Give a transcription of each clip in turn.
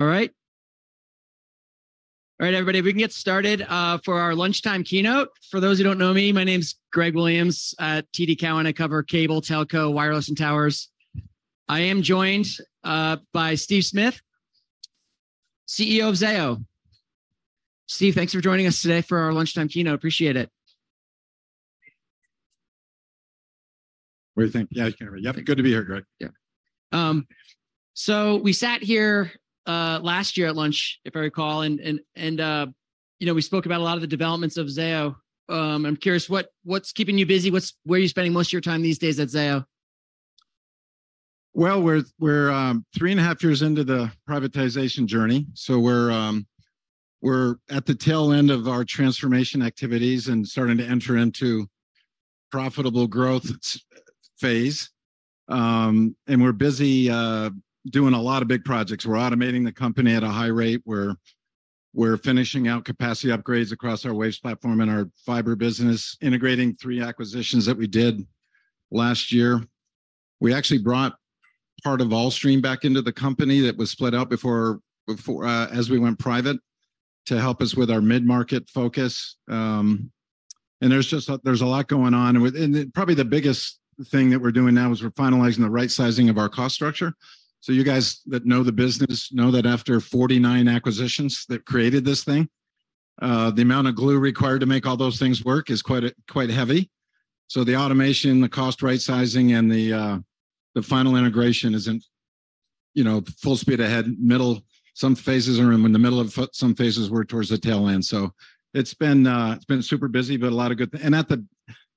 All right. All right, everybody, if we can get started for our lunchtime keynote. For those who don't know me, my name's Greg Williams at TD Cowen. I cover cable, telco, wireless, and towers. I am joined by Steve Smith, CEO of Zayo. Steve, thanks for joining us today for our lunchtime keynote. Appreciate it. What do you think? Yeah, Yep, good to be here, Greg. Yeah. We sat here last year at lunch, if I recall, and, you know, we spoke about a lot of the developments of Zayo. I'm curious, what's keeping you busy? Where are you spending most of your time these days at Zayo? Well, we're, we're 3.5 years into the privatization journey, so we're, we're at the tail end of our transformation activities and starting to enter into profitable growth phase. We're busy doing a lot of big projects. We're automating the company at a high rate. We're, we're finishing out capacity upgrades across our Waves platform and our fiber business, integrating 3 acquisitions that we did last year. We actually brought part of Allstream back into the company that was split out before, before as we went private, to help us with our mid-market focus. There's just a, there's a lot going on. Then probably the biggest thing that we're doing now is we're finalizing the right-sizing of our cost structure. You guys that know the business, know that after 49 acquisitions that created this thing, the amount of glue required to make all those things work is quite, quite heavy. The automation, the cost right-sizing, and the final integration is in, you know, full speed ahead middle. Some phases are in the middle of some phases we're towards the tail end, so it's been, it's been super busy, but a lot of good and at the...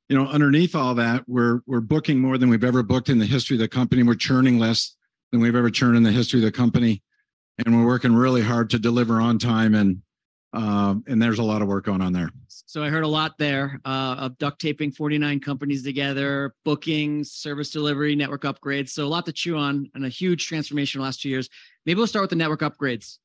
You know, underneath all that, we're, we're booking more than we've ever booked in the history of the company, and we're churning less than we've ever churned in the history of the company, and we're working really hard to deliver on time, and, and there's a lot of work going on there. I heard a lot there, of duct taping 49 companies together, bookings, service delivery, network upgrades, so a lot to chew on and a huge transformation in the last 2 years. Maybe we'll start with the network upgrades.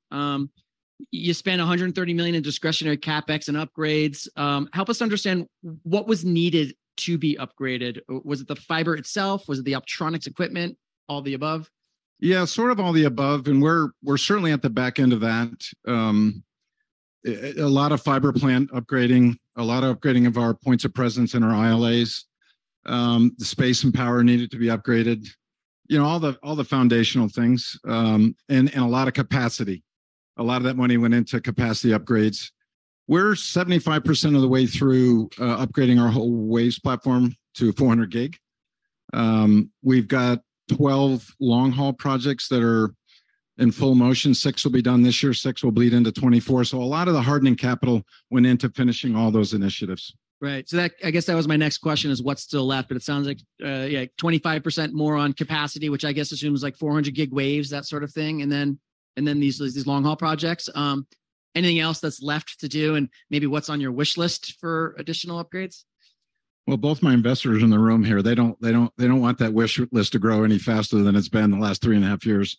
You spent $130 million in discretionary CapEx and upgrades. Help us understand, what was needed to be upgraded? Was it the fiber itself? Was it the electronics equipment? All the above? Yeah, sort of all the above, and we're, we're certainly at the back end of that. A lot of fiber plant upgrading, a lot of upgrading of our points of presence in our ILAs. The space and power needed to be upgraded. You know, all the, all the foundational things, a lot of capacity. A lot of that money went into capacity upgrades. We're 75% of the way through upgrading our whole Waves platform to 400 gig. We've got 12 long-haul projects that are in full motion. 6 will be done this year, 6 will bleed into 2024, so a lot of the hardening capital went into finishing all those initiatives. Right. That, I guess that was my next question, is what's still left? It sounds like, yeah, 25% more on capacity, which I guess assumes like 400 gig Waves, that sort of thing, and then, and then these, these long-haul projects. Anything else that's left to do, and maybe what's on your wish list for additional upgrades? Well, both my investors are in the room here, they don't, they don't, they don't want that wish list to grow any faster than it's been the last three and a half years.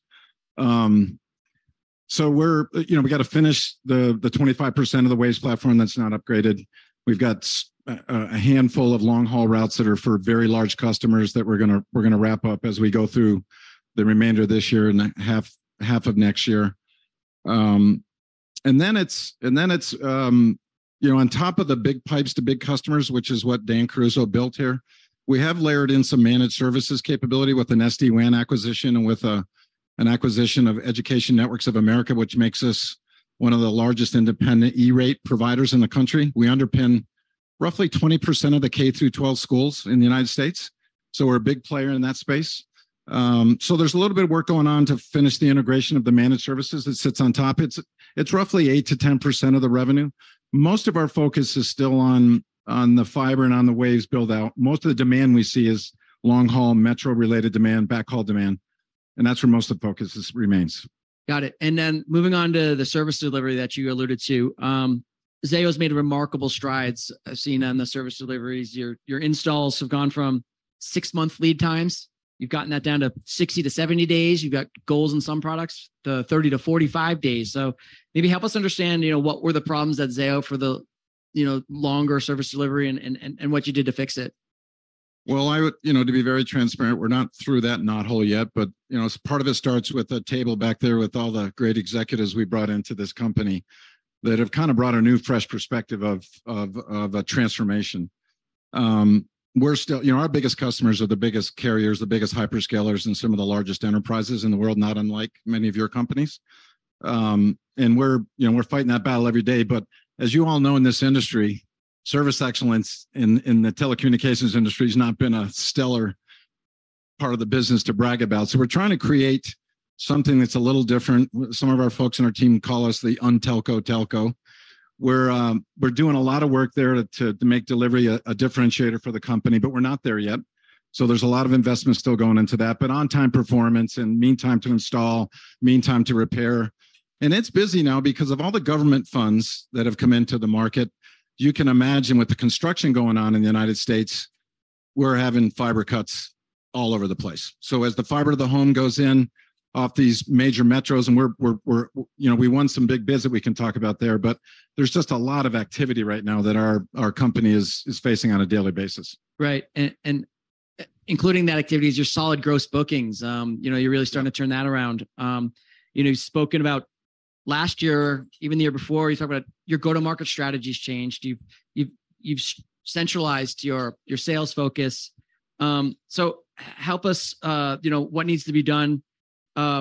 We're, you know, we got to finish the 25% of the Waves platform that's not upgraded. We've got a handful of long-haul routes that are for very large customers that we're gonna, we're gonna wrap up as we go through the remainder of this year and the half, half of next year. You know, on top of the big pipes to big customers, which is what Dan Caruso built here, we have layered in some managed services capability with an SD-WAN acquisition and with a, an acquisition of Education Networks of America, which makes us one of the largest independent E-rate providers in the country. We underpin roughly 20% of the K-12 schools in the United States, so we're a big player in that space. There's a little bit of work going on to finish the integration of the managed services that sits on top. It's roughly 8%-10% of the revenue. Most of our focus is still on the fiber and on the Waves build-out. Most of the demand we see is long-haul, metro-related demand, backhaul demand, and that's where most of the focus is, remains. Got it. Moving on to the service delivery that you alluded to, Zayo's made remarkable strides I've seen on the service deliveries. Your, your installs have gone from 6-month lead times, you've gotten that down to 60-70 days. You've got goals in some products, the 30-45 days. Maybe help us understand, you know, what were the problems at Zayo for the, you know, longer service delivery and what you did to fix it. You know, to be very transparent, we're not through that knothole yet, but, you know, part of it starts with a table back there with all the great executives we brought into this company, that have kind of brought a new, fresh perspective of, of, of a transformation. You know, our biggest customers are the biggest carriers, the biggest hyperscalers, and some of the largest enterprises in the world, not unlike many of your companies. We're, you know, we're fighting that battle every day. As you all know, in this industry, service excellence in, in the telecommunications industry has not been a stellar part of the business to brag about. We're trying to create something that's a little different. Some of our folks on our team call us the un-telco telco. We're doing a lot of work there to, to make delivery a, a differentiator for the company, but we're not there yet. There's a lot of investment still going into that. On-time performance and mean time to install, mean time to repair, and it's busy now because of all the government funds that have come into the market. You can imagine with the construction going on in the United States, we're having fiber cuts all over the place. As the fiber to the home goes in off these major metros, and we're... You know, we won some big biz that we can talk about there, but there's just a lot of activity right now that our, our company is, is facing on a daily basis. Right. including that activity is your solid gross bookings. you know, you're really starting to turn that around. you know, you've spoken about last year, even the year before, you talked about your go-to-market strategy's changed. You've centralized your, your sales focus. help us, you know, what needs to be done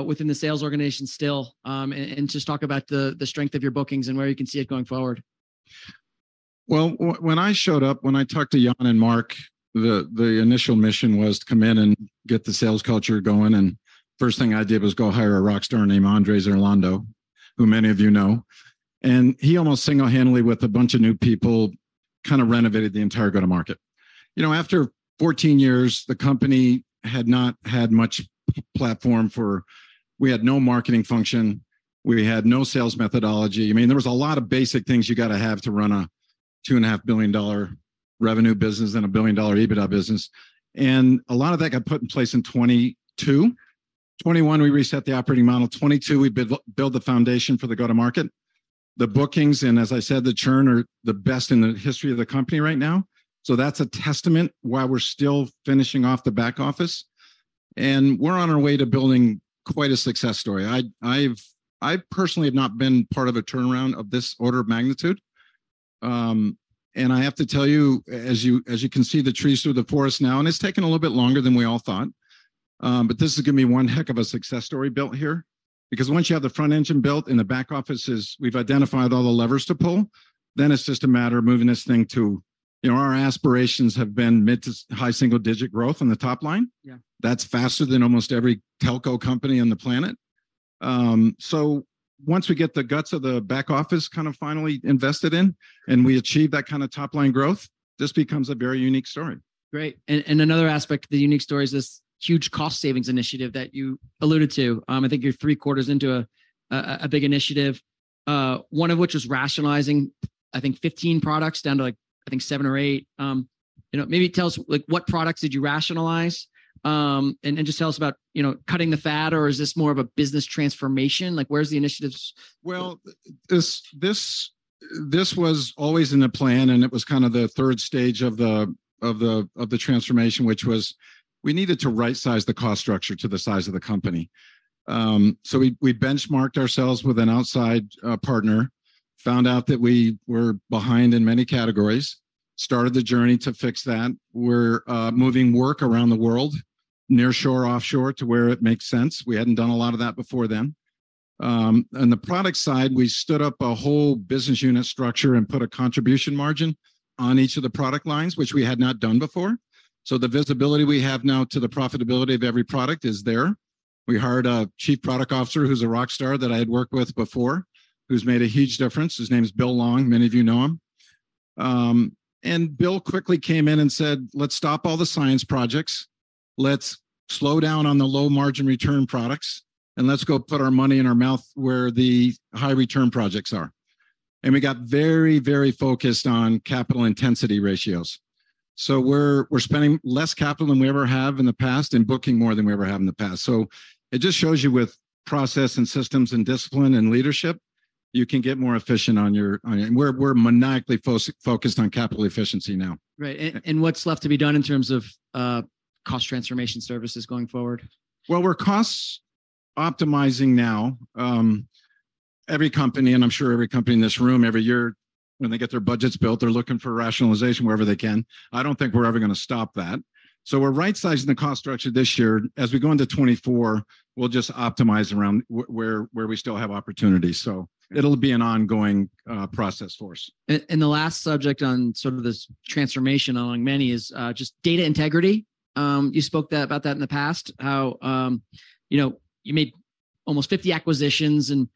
within the sales organization still? just talk about the, the strength of your bookings and where you can see it going forward. Well, when I showed up, when I talked to Jan and Mark, the, the initial mission was to come in and get the sales culture going, and first thing I did was go hire a rock star named Andres Orlando, who many of you know. He almost single-handedly, with a bunch of new people, kind of renovated the entire go-to-market. You know, after 14 years, the company had not had much platform for... We had no marketing function. We had no sales methodology. I mean, there was a lot of basic things you've got to have to run a $2.5 billion revenue business and a $1 billion EBITDA business. A lot of that got put in place in 2022. 2021, we reset the operating model. 2022, we build the foundation for the go-to-market. The bookings, and as I said, the churn are the best in the history of the company right now. That's a testament while we're still finishing off the back office, and we're on our way to building quite a success story. I personally have not been part of a turnaround of this order of magnitude. I have to tell you, as you, as you can see the trees through the forest now, and it's taken a little bit longer than we all thought, but this is going to be one heck of a success story built here. Once you have the front engine built and the back office is, we've identified all the levers to pull, then it's just a matter of moving this thing to, you know, our aspirations have been mid to high single digit growth on the top line. Yeah. That's faster than almost every telco company on the planet. Once we get the guts of the back office kind of finally invested in, and we achieve that kind of top-line growth, this becomes a very unique story. Great. another aspect of the unique story is this huge cost savings initiative that you alluded to. I think you're three quarters into a big initiative, one of which was rationalizing, I think, 15 products down to, like, I think 7 or 8. you know, maybe tell us, like, what products did you rationalize? just tell us about, you know, cutting the fat, or is this more of a business transformation? Like, where's the initiatives? Well, this, this, this was always in the plan, and it was kind of the third stage of the, of the, of the transformation, which was we needed to right-size the cost structure to the size of the company. So we, we benchmarked ourselves with an outside partner, found out that we were behind in many categories, started the journey to fix that. We're moving work around the world, nearshore, offshore, to where it makes sense. We hadn't done a lot of that before then. On the product side, we stood up a whole business unit structure and put a contribution margin on each of the product lines, which we had not done before. The visibility we have now to the profitability of every product is there. We hired a chief product officer, who's a rock star that I had worked with before, who's made a huge difference. His name is Bill Long. Many of you know him. Bill quickly came in and said, "Let's stop all the science projects. Let's slow down on the low margin return products, and let's go put our money and our mouth where the high return projects are." We got very, very focused on capital intensity ratios. We're, we're spending less capital than we ever have in the past and booking more than we ever have in the past. It just shows you, with process and systems and discipline and leadership, you can get more efficient. We're, we're maniacally focused on capital efficiency now. Right. And what's left to be done in terms of, cost transformation services going forward? Well, we're cost-optimizing now. Every company, and I'm sure every company in this room, every year, when they get their budgets built, they're looking for rationalization wherever they can. I don't think we're ever going to stop that. We're right-sizing the cost structure this year. As we go into 2024, we'll just optimize around where, where we still have opportunities, so it'll be an ongoing process for us. The last subject on sort of this transformation, among many, is just data integrity. You spoke that, about that in the past, how, you know, you made almost 50 acquisitions, and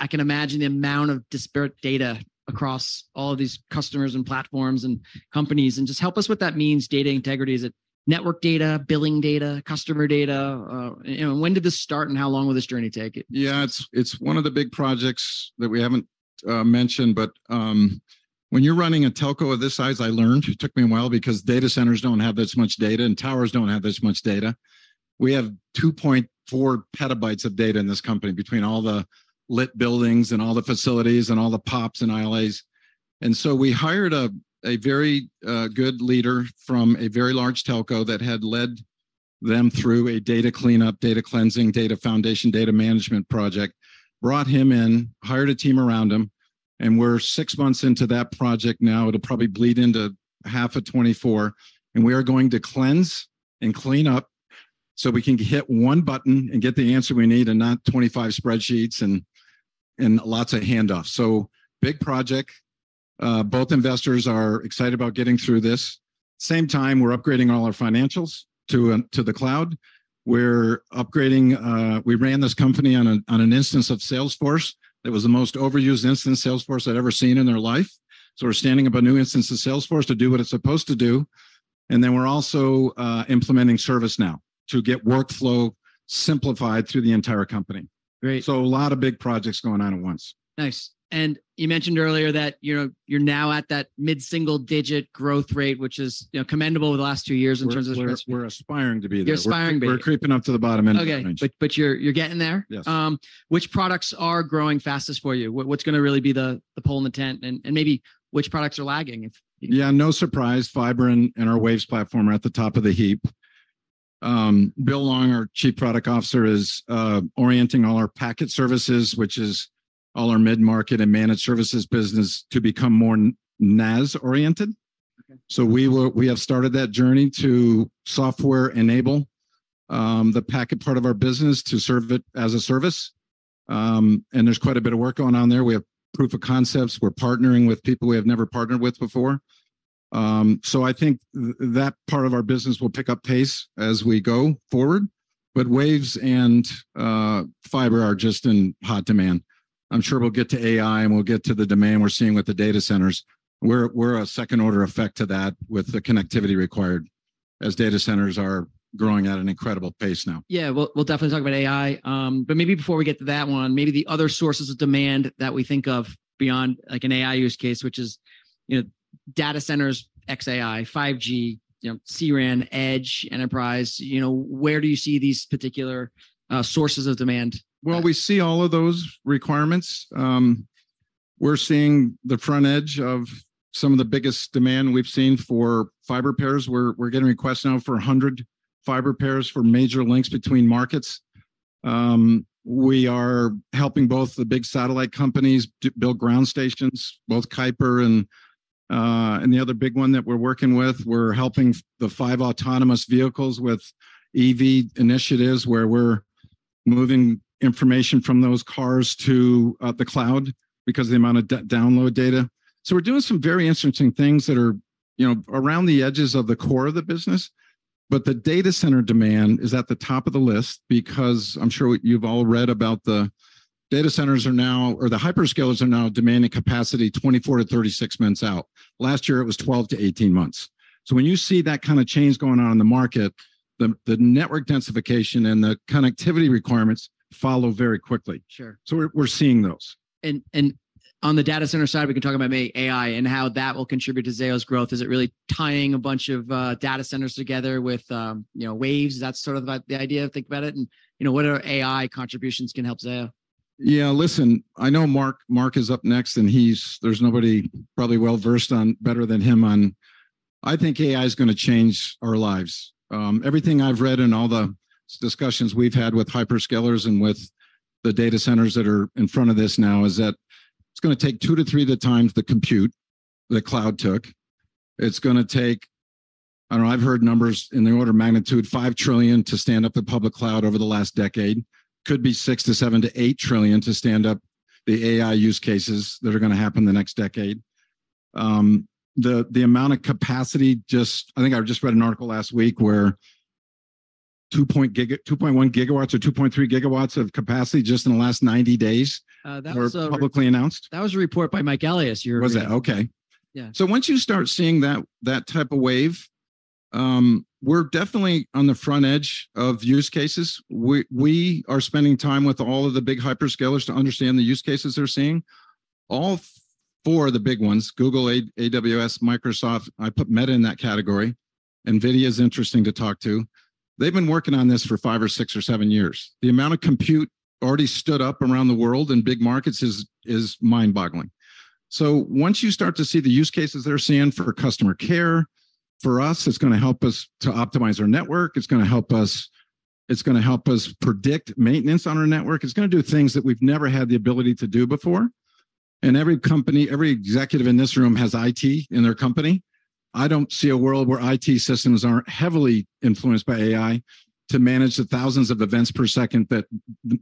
I can imagine the amount of disparate data across all of these customers and platforms and companies. Just help us what that means, data integrity. Is it network data, billing data, customer data? You know, when did this start, and how long will this journey take? Yeah, it's, it's one of the big projects that we haven't mentioned, but when you're running a telco of this size, I learned, it took me a while because data centers don't have this much data, and towers don't have this much data. We have 2.4 petabytes of data in this company between all the lit buildings and all the facilities and all the POPs and ILAs. So we hired a, a very good leader from a very large telco that had led them through a data cleanup, data cleansing, data foundation, data management project, brought him in, hired a team around him, and we're 6 months into that project now. It'll probably bleed into half of 2024. We are going to cleanse and clean up, so we can hit 1 button and get the answer we need and not 25 spreadsheets and, and lots of handoffs. Big project. Both investors are excited about getting through this. Same time, we're upgrading all our financials to the cloud. We're upgrading... We ran this company on an instance of Salesforce that was the most overused instance of Salesforce I'd ever seen in their life. We're standing up a new instance of Salesforce to do what it's supposed to do, and then we're also implementing ServiceNow to get workflow simplified through the entire company. Great. A lot of big projects going on at once. Nice. You mentioned earlier that, you know, you're now at that mid-single-digit growth rate, which is, you know, commendable over the last two years in terms of- We're, we're aspiring to be there. You're aspiring to be. We're creeping up to the bottom end... Okay. but you're, you're getting there? Yes. Which products are growing fastest for you? What, what's going to really be the pole in the tent, and, and maybe which products are lagging if... Yeah, no surprise, Fiber and our Waves platform are at the top of the heap. Bill Long, our Chief Product Officer, is orienting all our packet services, which is all our mid-market and managed services business, to become more NaaS oriented. Okay. We have started that journey to software enable the packet part of our business to serve it as a service. There's quite a bit of work going on there. We have proof of concepts. We're partnering with people we have never partnered with before. I think that part of our business will pick up pace as we go forward, but Waves and fiber are just in hot demand. I'm sure we'll get to AI, and we'll get to the demand we're seeing with the data centers. We're a second-order effect to that, with the connectivity required, as data centers are growing at an incredible pace now. Yeah. We'll, we'll definitely talk about AI. Maybe before we get to that one, maybe the other sources of demand that we think of beyond, like, an AI use case, which is, you know, data centers, XAI, 5G, you know, CRAN, Edge, Enterprise, you know, where do you see these particular sources of demand? Well, we see all of those requirements. We're seeing the front edge of some of the biggest demand we've seen for fiber pairs, where we're getting requests now for 100 fiber pairs for major links between markets. We are helping both the big satellite companies build ground stations, both Kuiper and, and the other big one that we're working with. We're helping the five autonomous vehicles with EV initiatives, where we're moving information from those cars to the cloud because of the amount of download data. We're doing some very interesting things that are, you know, around the edges of the core of the business. The data center demand is at the top of the list because I'm sure you've all read about the data centers are now or the hyperscalers are now demanding capacity 24-36 months out. Last year, it was 12 to 18 months. When you see that kind of change going on in the market, the, the network densification and the connectivity requirements follow very quickly. Sure. We're seeing those. On the data center side, we can talk about AI and how that will contribute to Zayo's growth. Is it really tying a bunch of data centers together with, you know, waves? Is that sort of the, the idea to think about it, and, you know, what are AI contributions can help Zayo? Yeah, listen, I know Mark, Mark is up next, and he's there's nobody probably well-versed on, better than him on. I think AI is gonna change our lives. Everything I've read and all the discussions we've had with hyperscalers and with the data centers that are in front of this now, is that it's gonna take 2-3 the times the compute that cloud took. It's gonna take, I don't know, I've heard numbers in the order of magnitude, $5 trillion to stand up the public cloud over the last decade. Could be $6 trillion-$8 trillion to stand up the AI use cases that are gonna happen in the next decade. The, the amount of capacity I think I've just read an article last week where 2.1 GWs or 2.3 GWs of capacity just in the last 90 days. That was. publicly announced. That was a report by Mike Elias, you're right. Was it? Okay. Yeah. Once you start seeing that, that type of wave, we're definitely on the front edge of use cases. We, we are spending time with all of the big hyperscalers to understand the use cases they're seeing. All 4 of the big ones, Google, AWS, Microsoft, I put Meta in that category, NVIDIA is interesting to talk to. They've been working on this for 5 or 6 or 7 years. The amount of compute already stood up around the world in big markets is, is mind-boggling. Once you start to see the use cases they're seeing for customer care, for us, it's gonna help us to optimize our network. It's gonna help us, it's gonna help us predict maintenance on our network. It's gonna do things that we've never had the ability to do before. Every company, every executive in this room, has IT in their company. I don't see a world where IT systems aren't heavily influenced by AI to manage the thousands of events per second that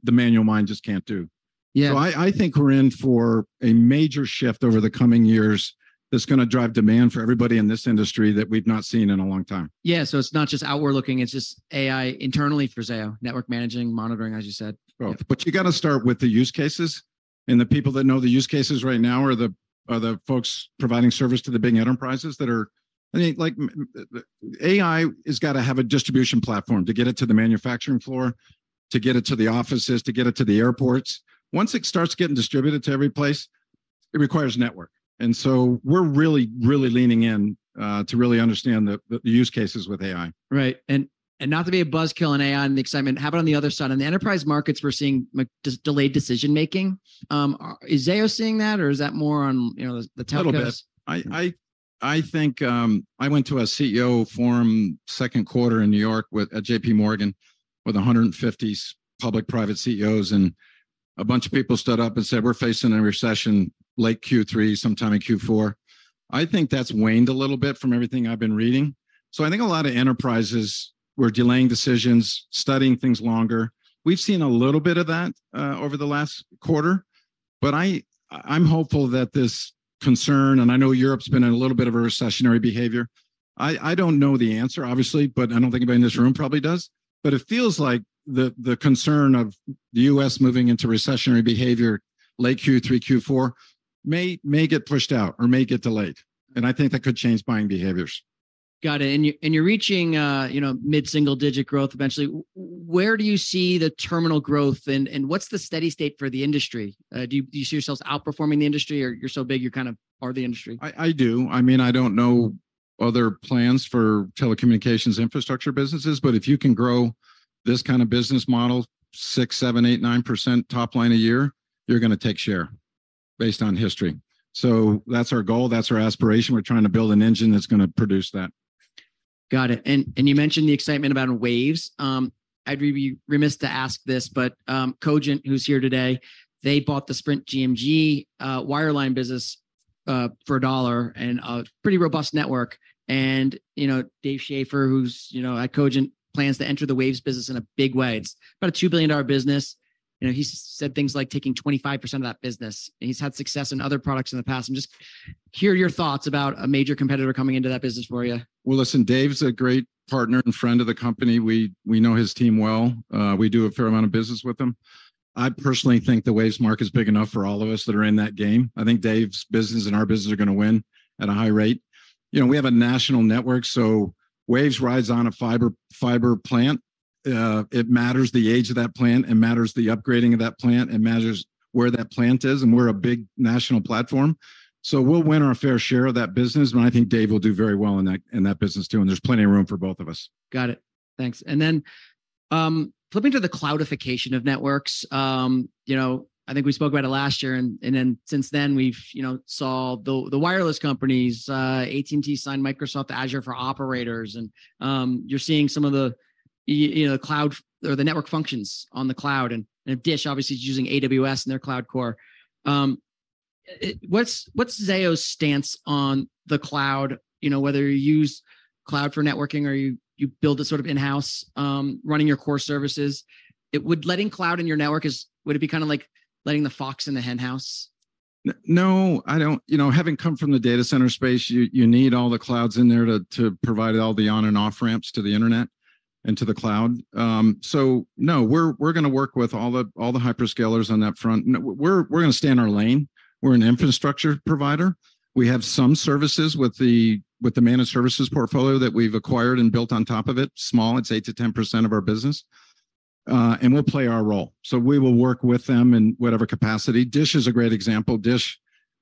the manual mind just can't do. Yeah. I, I think we're in for a major shift over the coming years that's gonna drive demand for everybody in this industry that we've not seen in a long time. Yeah, it's not just outward-looking, it's just AI internally for Zayo, network managing, monitoring, as you said. Both. You gotta start with the use cases, and the people that know the use cases right now are the, are the folks providing service to the big enterprises that are... I think, like, m- AI has got to have a distribution platform to get it to the manufacturing floor, to get it to the offices, to get it to the airports. Once it starts getting distributed to every place, it requires network, and so we're really, really leaning in, to really understand the, the, the use cases with AI. Right. Not to be a buzzkill on AI and the excitement, how about on the other side? In the enterprise markets, we're seeing, like, delayed decision-making. Is Zayo seeing that, or is that more on, you know, the, the telcos? Little bit. I, I, I think I went to a CEO forum second quarter in New York with JPMorgan, with 150 public-private CEOs, and a bunch of people stood up and said, "We're facing a recession late Q3, sometime in Q4." I think that's waned a little bit from everything I've been reading. I think a lot of enterprises were delaying decisions, studying things longer. We've seen a little bit of that over the last quarter, but I'm hopeful that this concern, and I know Europe's been in a little bit of a recessionary behavior. I, I don't know the answer, obviously, but I don't think anybody in this room probably does. It feels like the, the concern of the U.S. moving into recessionary behavior, late Q3, Q4, may, may get pushed out or may get delayed, and I think that could change buying behaviors. Got it. You, and you're reaching, you know, mid-single-digit growth eventually. Where do you see the terminal growth, and, and what's the steady state for the industry? Do you, do you see yourselves outperforming the industry, or you're so big, you're kind of part of the industry? I, I do. I mean, I don't know other plans for telecommunications infrastructure businesses, but if you can grow this kind of business model 6%, 7%, 8%, 9% top line a year, you're gonna take share. based on history. That's our goal, that's our aspiration. We're trying to build an engine that's gonna produce that. Got it. And you mentioned the excitement about Waves. I'd be, be remiss to ask this, but Cogent, who's here today, they bought the Sprint GMG wireline business for $1, and a pretty robust network. You know, Dave Schaeffer, who's, you know, at Cogent, plans to enter the Waves business in a big way. It's about a $2 billion business. You know, he's said things like taking 25% of that business, and he's had success in other products in the past. Just hear your thoughts about a major competitor coming into that business for you. Well, listen, Dave's a great partner and friend of the company. We know his team well. We do a fair amount of business with them. I personally think the Waves market is big enough for all of us that are in that game. I think Dave's business and our business are gonna win at a high rate. You know, we have a national network, so Waves rides on a fiber plant. It matters the age of that plant, it matters the upgrading of that plant, it matters where that plant is, and we're a big national platform. We'll win our fair share of that business, and I think Dave will do very well in that, in that business, too, and there's plenty of room for both of us. Got it. Thanks. Then, flipping to the cloudification of networks, you know, I think we spoke about it last year, and since then, we've, you know, saw the, the wireless companies, AT&T sign Microsoft Azure for operators. You're seeing some of the, you know, the cloud or the network functions on the cloud. And Dish obviously is using AWS in their cloud core. What's, what's Zayo's stance on the cloud? You know, whether you use cloud for networking or you, you build a sort of in-house, running your core services. Letting cloud in your network, is, would it be kind of like letting the fox in the henhouse? No, I don't... You know, having come from the data center space, you, you need all the clouds in there to, to provide all the on and off ramps to the internet and to the cloud. So, no, we're, we're gonna work with all the, all the hyperscalers on that front. No, we're, we're gonna stay in our lane. We're an infrastructure provider. We have some services with the, with the managed services portfolio that we've acquired and built on top of it. Small, it's 8%-10% of our business, and we'll play our role. We will work with them in whatever capacity. Dish is a great example. Dish,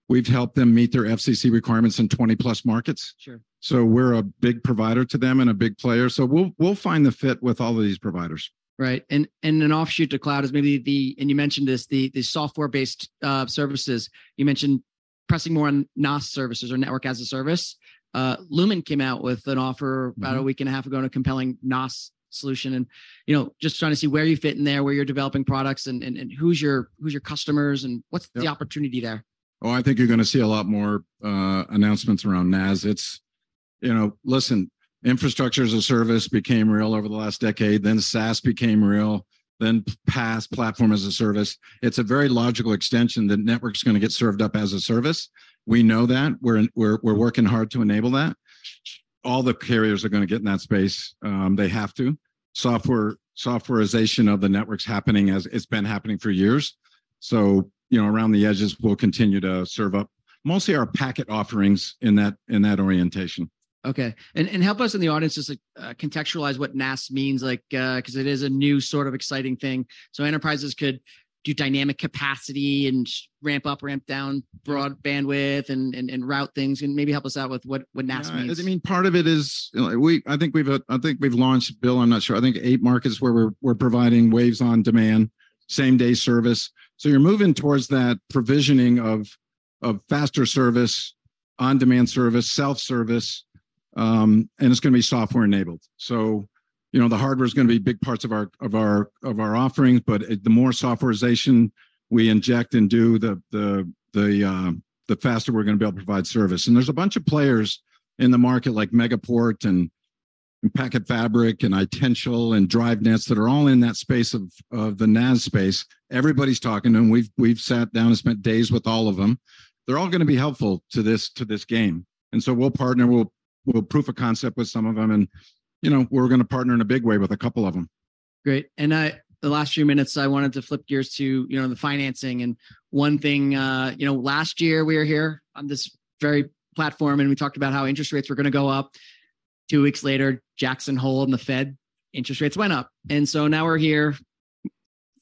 we've helped them meet their FCC requirements in 20-plus markets. Sure. We're a big provider to them and a big player, so we'll, we'll find the fit with all of these providers. Right. An offshoot to cloud is maybe the, and you mentioned this, the, the software-based services. You mentioned pressing more on NaaS services or network as a service. Lumen came out with an offer. Mm-hmm - about a week and a half ago in a compelling NaaS solution. you know, just trying to see where you fit in there, where you're developing products, and, and, and who's your, who's your customers, and what's- Yep the opportunity there? Oh, I think you're gonna see a lot more announcements around NaaS. It's... You know, listen, infrastructure as a service became real over the last decade, then SaaS became real, then PaaS, platform as a service. It's a very logical extension, the network's gonna get served up as a service. We know that. We're working hard to enable that. All the carriers are gonna get in that space. They have to. Software, softwarization of the network's happening, as it's been happening for years. So, you know, around the edges, we'll continue to serve up mostly our packet offerings in that, in that orientation. Okay. And help us in the audience just to contextualize what NaaS means, like, 'cause it is a new sort of exciting thing. Enterprises could do dynamic capacity and ramp up, ramp down broad bandwidth and, and, and route things, and maybe help us out with what, what NaaS means. Yeah. I mean, part of it is, I think we've, I think we've launched, Bill, I'm not sure, I think eight markets where we're, we're providing Waves on Demand, same-day service. You're moving towards that provisioning of, of faster service, on-demand service, self-service, and it's gonna be software-enabled. You know, the hardware is gonna be big parts of our, of our, of our offerings, but, the more softwarization we inject into the, the, the, the faster we're gonna be able to provide service. There's a bunch of players in the market, like Megaport and PacketFabric and Itential and DriveNets, that are all in that space of, of the NaaS space. Everybody's talking, and we've, we've sat down and spent days with all of them. They're all gonna be helpful to this, to this game, and so we'll partner, we'll proof of concept with some of them and, you know, we're gonna partner in a big way with a couple of them. Great. I, the last few minutes, I wanted to flip gears to, you know, the financing. One thing, you know, last year we were here on this very platform, and we talked about how interest rates were gonna go up. 2 weeks later, Jackson Hole and the Fed, interest rates went up. Now we're here,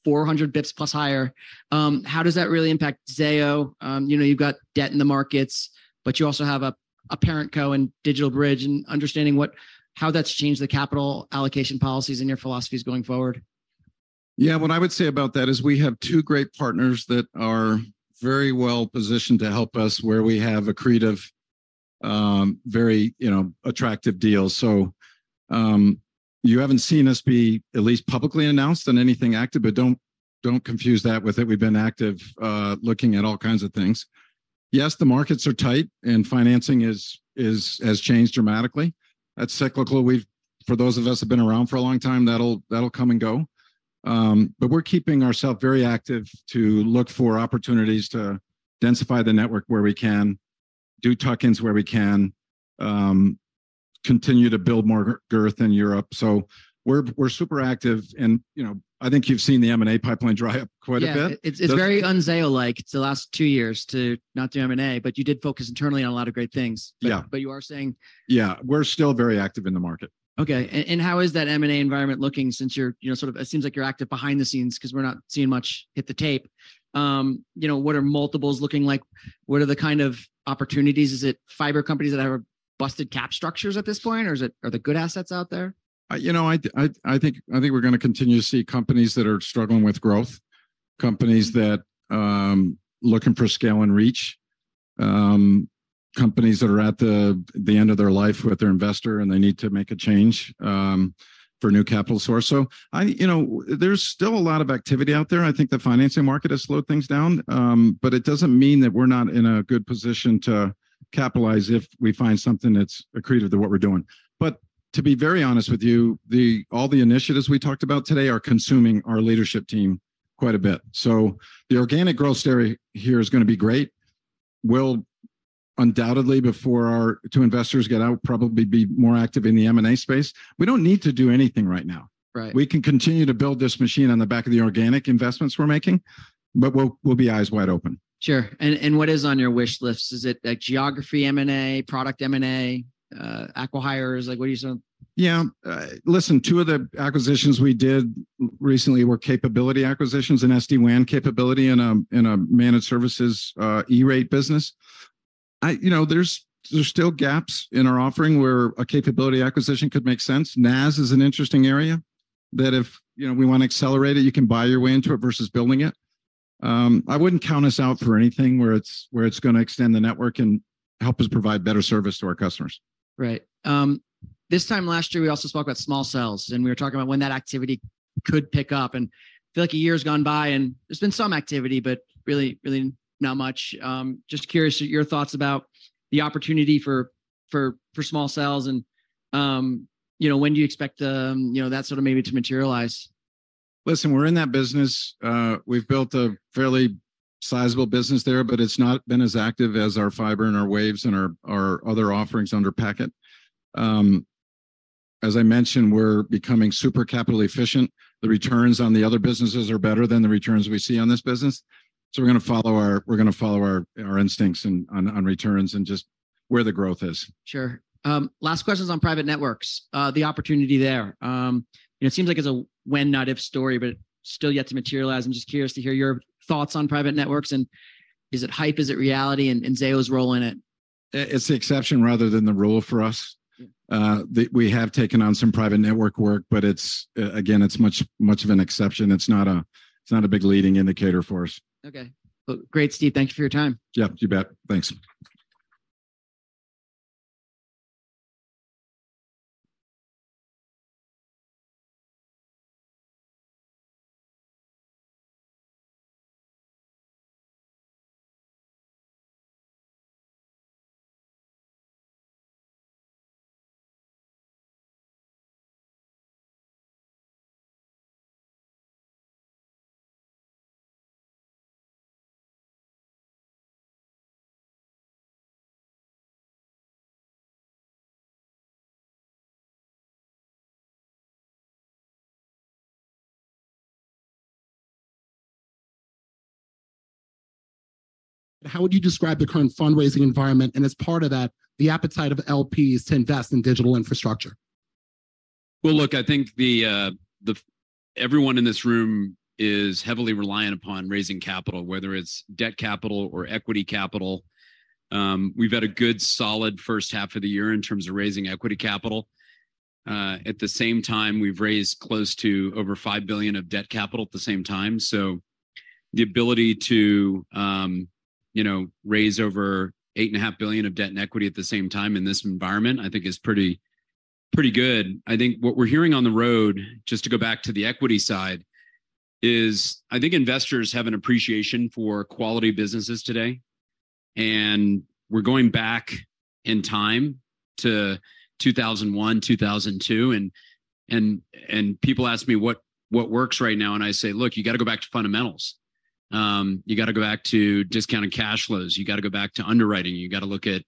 400 basis points plus higher. How does that really impact Zayo? You know, you've got debt in the markets, but you also have a, a parent co in DigitalBridge, and understanding what, how that's changed the capital allocation policies and your philosophies going forward. Yeah, what I would say about that is, we have two great partners that are very well positioned to help us, where we have accretive, very, you know, attractive deals. You haven't seen us be at least publicly announced on anything active, but don't, don't confuse that with it. We've been active, looking at all kinds of things. Yes, the markets are tight, and financing is, is, has changed dramatically. That's cyclical. We've, for those of us who've been around for a long time, that'll, that'll come and go. But we're keeping ourself very active to look for opportunities to densify the network where we can, do tuck-ins where we can, continue to build more girth in Europe. We're, we're super active, and, you know, I think you've seen the M&A pipeline dry up quite a bit. Yeah. It's, it's very un-Zayo-like, it's the last two years, to not do M&A, but you did focus internally on a lot of great things. Yeah. you are saying- Yeah, we're still very active in the market. Okay. And how is that M&A environment looking since you're, you know, sort of... It seems like you're active behind the scenes, 'cause we're not seeing much hit the tape. You know, what are multiples looking like? What are the kind of opportunities? Is it fiber companies that have busted cap structures at this point, or is it, are there good assets out there? You know, I, I, I think, I think we're gonna continue to see companies that are struggling with growth, companies that, looking for scale and reach, companies that are at the, the end of their life with their investor, and they need to make a change, for a new capital source. I, you know, there's still a lot of activity out there. I think the financing market has slowed things down, but it doesn't mean that we're not in a good position to capitalize if we find something that's accretive to what we're doing. To be very honest with you, the, all the initiatives we talked about today are consuming our leadership team quite a bit. The organic growth story here is gonna be great. We'll undoubtedly, before our two investors get out, probably be more active in the M&A space. We don't need to do anything right now. Right. We can continue to build this machine on the back of the organic investments we're making, but we'll be eyes wide open. Sure. And what is on your wish list? Is it, like, geography M&A, product M&A, acquihires? Like, what do you so- Yeah. Listen, two of the acquisitions we did recently were capability acquisitions and SD-WAN capability in a, in a managed services, E-rate business. You know, there's, there's still gaps in our offering where a capability acquisition could make sense. NaaS is an interesting area that if, you know, we want to accelerate it, you can buy your way into it versus building it. I wouldn't count us out for anything where it's, where it's gonna extend the network and help us provide better service to our customers. Right. This time last year, we also spoke about small cells. We were talking about when that activity could pick up. I feel like a year has gone by, and there's been some activity, but really, really not much. Just curious your thoughts about the opportunity for, for, for small cells and, you know, when do you expect, you know, that sort of maybe to materialize? Listen, we're in that business. We've built a fairly sizable business there. It's not been as active as our fiber and our waves and our, our other offerings under Packet. As I mentioned, we're becoming super capital efficient. The returns on the other businesses are better than the returns we see on this business. We're gonna follow our, we're gonna follow our, our instincts on, on, on returns and just where the growth is. Sure. Last question is on private networks, the opportunity there. You know, it seems like it's a when, not if story, but still yet to materialize. I'm just curious to hear your thoughts on private networks, and is it hype? Is it reality, and Zayo's role in it? It's the exception rather than the rule for us. Yeah. We have taken on some private network work, but it's again, it's much, much of an exception. It's not a, it's not a big leading indicator for us. Okay. Well, great, Steve. Thank you for your time. Yep, you bet. Thanks. How would you describe the current fundraising environment, and as part of that, the appetite of LPs to invest in digital infrastructure? Well, look, I think the everyone in this room is heavily reliant upon raising capital, whether it's debt capital or equity capital. We've had a good, solid first half of the year in terms of raising equity capital. At the same time, we've raised close to over $5 billion of debt capital at the same time. The ability to, you know, raise over $8.5 billion of debt and equity at the same time in this environment, I think is pretty, pretty good. I think what we're hearing on the road, just to go back to the equity side, is I think investors have an appreciation for quality businesses today, and we're going back in time to 2001, 2002, and people ask me what, what works right now, and I say: "Look, you gotta go back to fundamentals. You gotta go back to discounted cash flows. You gotta go back to underwriting. You gotta look at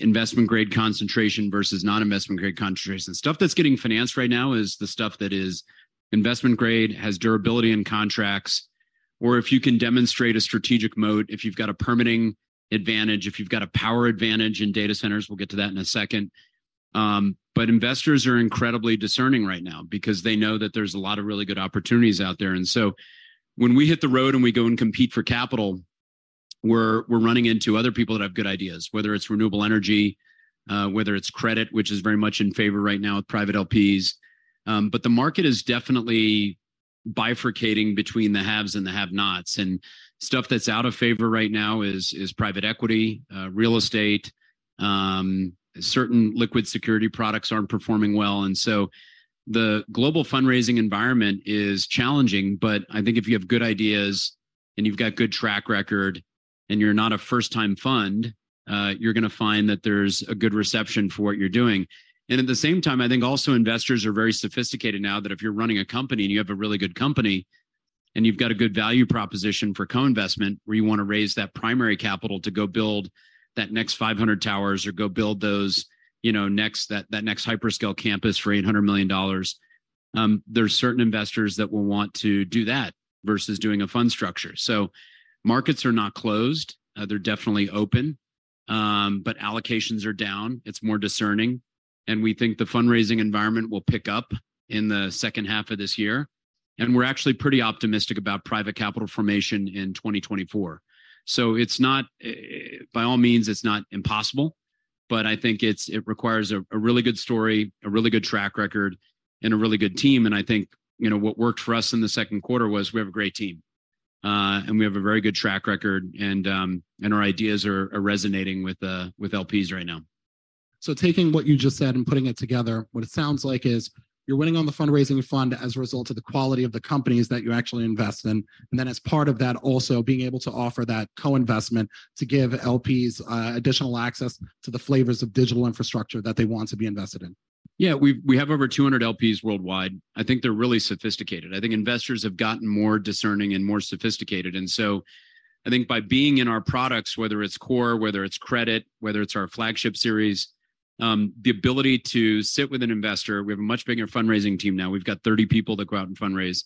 investment grade concentration versus non-investment grade concentration." Stuff that's getting financed right now is the stuff that is investment grade, has durability in contracts, or if you can demonstrate a strategic moat, if you've got a permitting advantage, if you've got a power advantage in data centers. We'll get to that in a second. Investors are incredibly discerning right now because they know that there's a lot of really good opportunities out there. When we hit the road and we go and compete for capital, we're, we're running into other people that have good ideas, whether it's renewable energy, whether it's credit, which is very much in favor right now with private LPs. The market is definitely bifurcating between the haves and the have-nots, and stuff that's out of favor right now is, is private equity, real estate. Certain liquid security products aren't performing well. The global fundraising environment is challenging, but I think if you have good ideas and you've got good track record and you're not a first-time fund, you're gonna find that there's a good reception for what you're doing. At the same time, I think also investors are very sophisticated now, that if you're running a company and you have a really good company, and you've got a good value proposition for co-investment, where you want to raise that primary capital to go build that next 500 towers or go build those, you know, next, that, that next hyperscale campus for $800 million, there's certain investors that will want to do that versus doing a fund structure. Markets are not closed. They're definitely open, but allocations are down. It's more discerning, and we think the fundraising environment will pick up in the second half of this year.... and we're actually pretty optimistic about private capital formation in 2024. It's not by all means, it's not impossible, but I think it requires a really good story, a really good track record, and a really good team. I think, you know, what worked for us in the second quarter was we have a great team, and we have a very good track record, and our ideas are resonating with LPs right now. Taking what you just said and putting it together, what it sounds like is you're winning on the fundraising fund as a result of the quality of the companies that you actually invest in. Then, as part of that, also being able to offer that co-investment to give LPs, additional access to the flavors of digital infrastructure that they want to be invested in. Yeah, we have over 200 LPs worldwide. I think they're really sophisticated. I think investors have gotten more discerning and more sophisticated. I think by being in our products, whether it's core, whether it's credit, whether it's our flagship series, the ability to sit with an investor. We have a much bigger fundraising team now. We've got 30 people that go out and fundraise,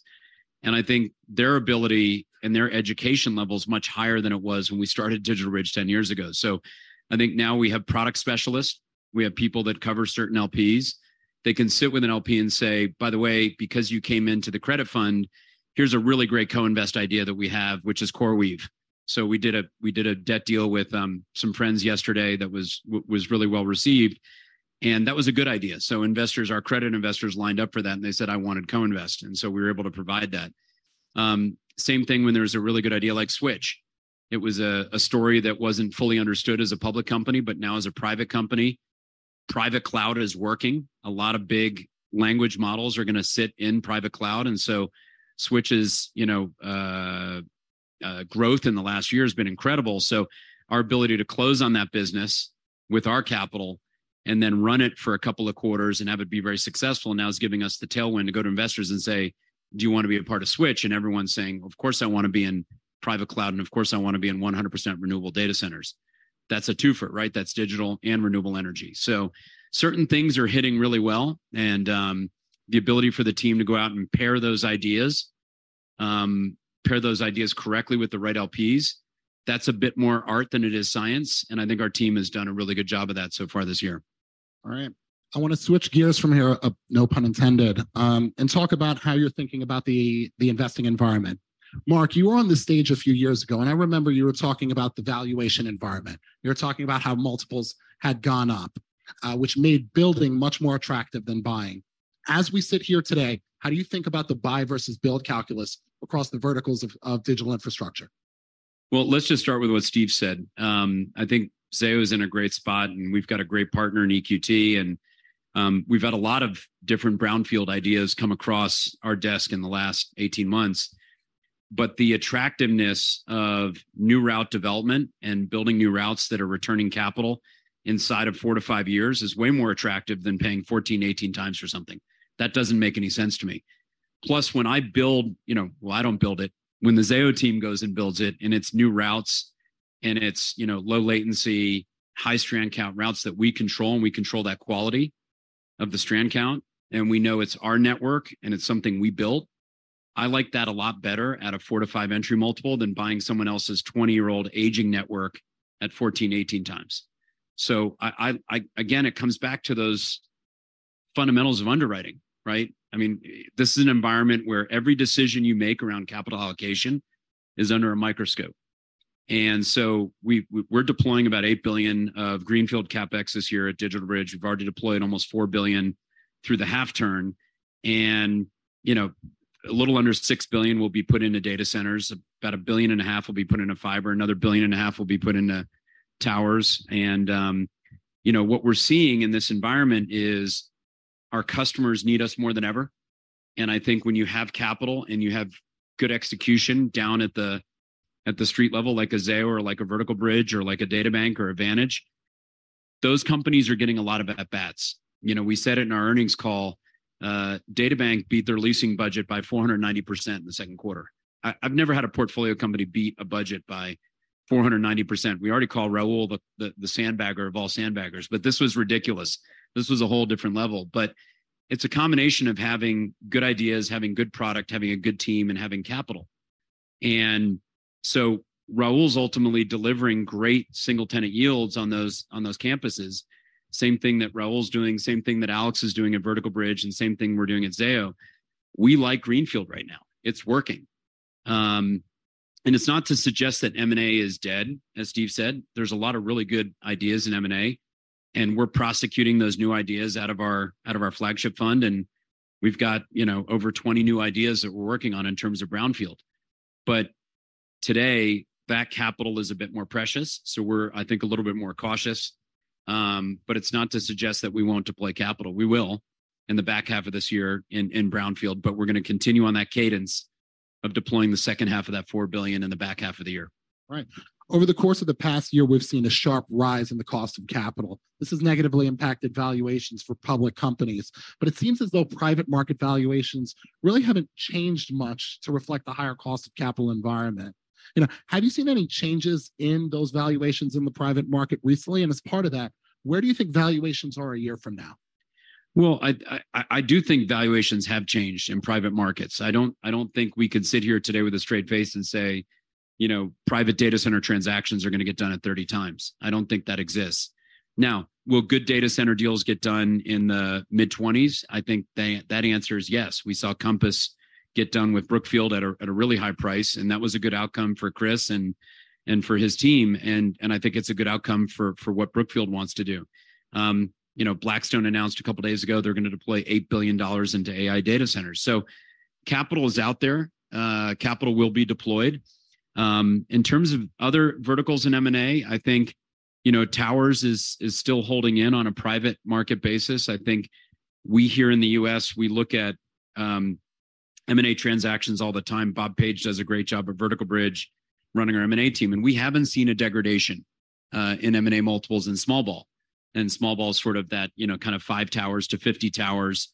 and I think their ability and their education level is much higher than it was when we started DigitalBridge 10 years ago. I think now we have product specialists. We have people that cover certain LPs. They can sit with an LP and say, "By the way, because you came into the credit fund, here's a really great co-invest idea that we have, which is CoreWeave." We did a, we did a debt deal with some friends yesterday that was really well received, and that was a good idea. Investors, our credit investors, lined up for that, and they said, "I want to co-invest," and so we were able to provide that. Same thing when there was a really good idea like Switch. It was a, a story that wasn't fully understood as a public company, but now as a private company, private cloud is working. A lot of big language models are gonna sit in private cloud, and so Switch's, you know, growth in the last year has been incredible. Our ability to close on that business with our capital and then run it for a couple of quarters and have it be very successful now is giving us the tailwind to go to investors and say, "Do you want to be a part of Switch?" Everyone's saying, "Of course, I want to be in private cloud, and of course, I want to be in 100% renewable data centers." That's a twofer, right? That's digital and renewable energy. Certain things are hitting really well and, the ability for the team to go out and pair those ideas, pair those ideas correctly with the right LPs, that's a bit more art than it is science, and I think our team has done a really good job of that so far this year. All right. I want to switch gears from here, no pun intended, and talk about how you're thinking about the, the investing environment. Mark, you were on this stage a few years ago, and I remember you were talking about the valuation environment. You were talking about how multiples had gone up, which made building much more attractive than buying. As we sit here today, how do you think about the buy versus build calculus across the verticals of, of digital infrastructure? Well, let's just start with what Steve said. I think Zayo is in a great spot, and we've got a great partner in EQT, we've had a lot of different brownfield ideas come across our desk in the last 18 months. The attractiveness of new route development and building new routes that are returning capital inside of 4-5 years is way more attractive than paying 14, 18 times for something. That doesn't make any sense to me. When I build, you know, well, I don't build it. When the Zayo team goes and builds it, and it's new routes, and it's, you know, low latency, high strand count routes that we control, and we control that quality of the strand count, and we know it's our network, and it's something we built, I like that a lot better at a 4-5x entry multiple than buying someone else's 20-year-old aging network at 14x, 18x. I, again, it comes back to those fundamentals of underwriting, right? I mean, this is an environment where every decision you make around capital allocation is under a microscope. We're deploying about $8 billion of Greenfield CapEx this year at DigitalBridge. We've already deployed almost $4 billion through the half turn, and, you know, a little under $6 billion will be put into data centers. About $1.5 billion will be put into fiber. Another $1.5 billion will be put into towers. You know, what we're seeing in this environment is our customers need us more than ever, and I think when you have capital, and you have good execution down at the, at the street level, like a Zayo or like a Vertical Bridge or like a DataBank or a Vantage, those companies are getting a lot of at-bats. You know, we said it in our earnings call, DataBank beat their leasing budget by 490% in the second quarter. I, I've never had a portfolio company beat a budget by 490%. We already call Raul the, the, the sandbagger of all sandbaggers, but this was ridiculous. This was a whole different level. It's a combination of having good ideas, having good product, having a good team, and having capital. So Raul's ultimately delivering great single-tenant yields on those, on those campuses. Same thing that Raul's doing, same thing that Alex is doing at Vertical Bridge, and same thing we're doing at Zayo. We like Greenfield right now. It's working. And it's not to suggest that M&A is dead. As Steve said, there's a lot of really good ideas in M&A, and we're prosecuting those new ideas out of our, out of our flagship fund, and we've got, you know, over 20 new ideas that we're working on in terms of brownfield. Today, that capital is a bit more precious, so we're, I think, a little bit more cautious. It's not to suggest that we won't deploy capital. We will in the back half of this year in brownfield, but we're gonna continue on that cadence of deploying the second half of that $4 billion in the back half of the year. Right. Over the course of the past year, we've seen a sharp rise in the cost of capital. This has negatively impacted valuations for public companies, but it seems as though private market valuations really haven't changed much to reflect the higher cost of capital environment. You know, have you seen any changes in those valuations in the private market recently? As part of that, where do you think valuations are a year from now? Well, I, I, I, I do think valuations have changed in private markets. I don't, I don't think we could sit here today with a straight face and say- you know, private data center transactions are going to get done at 30 times. I don't think that exists. Now, will good data center deals get done in the mid-20s? I think they, that answer is yes. We saw Compass get done with Brookfield at a, at a really high price, and that was a good outcome for Chris and, and for his team, and, and I think it's a good outcome for, for what Brookfield wants to do. You know, Blackstone announced a couple of days ago they're going to deploy $8 billion into AI data centers. Capital is out there. Capital will be deployed. In terms of other verticals in M&A, I think, you know, towers is, is still holding in on a private market basis. I think we here in the U.S., we look at M&A transactions all the time. Bob Page does a great job at Vertical Bridge, running our M&A team, and we haven't seen a degradation in M&A multiples in small ball. Small ball is sort of that, you know, kind of 5 towers to 50 towers.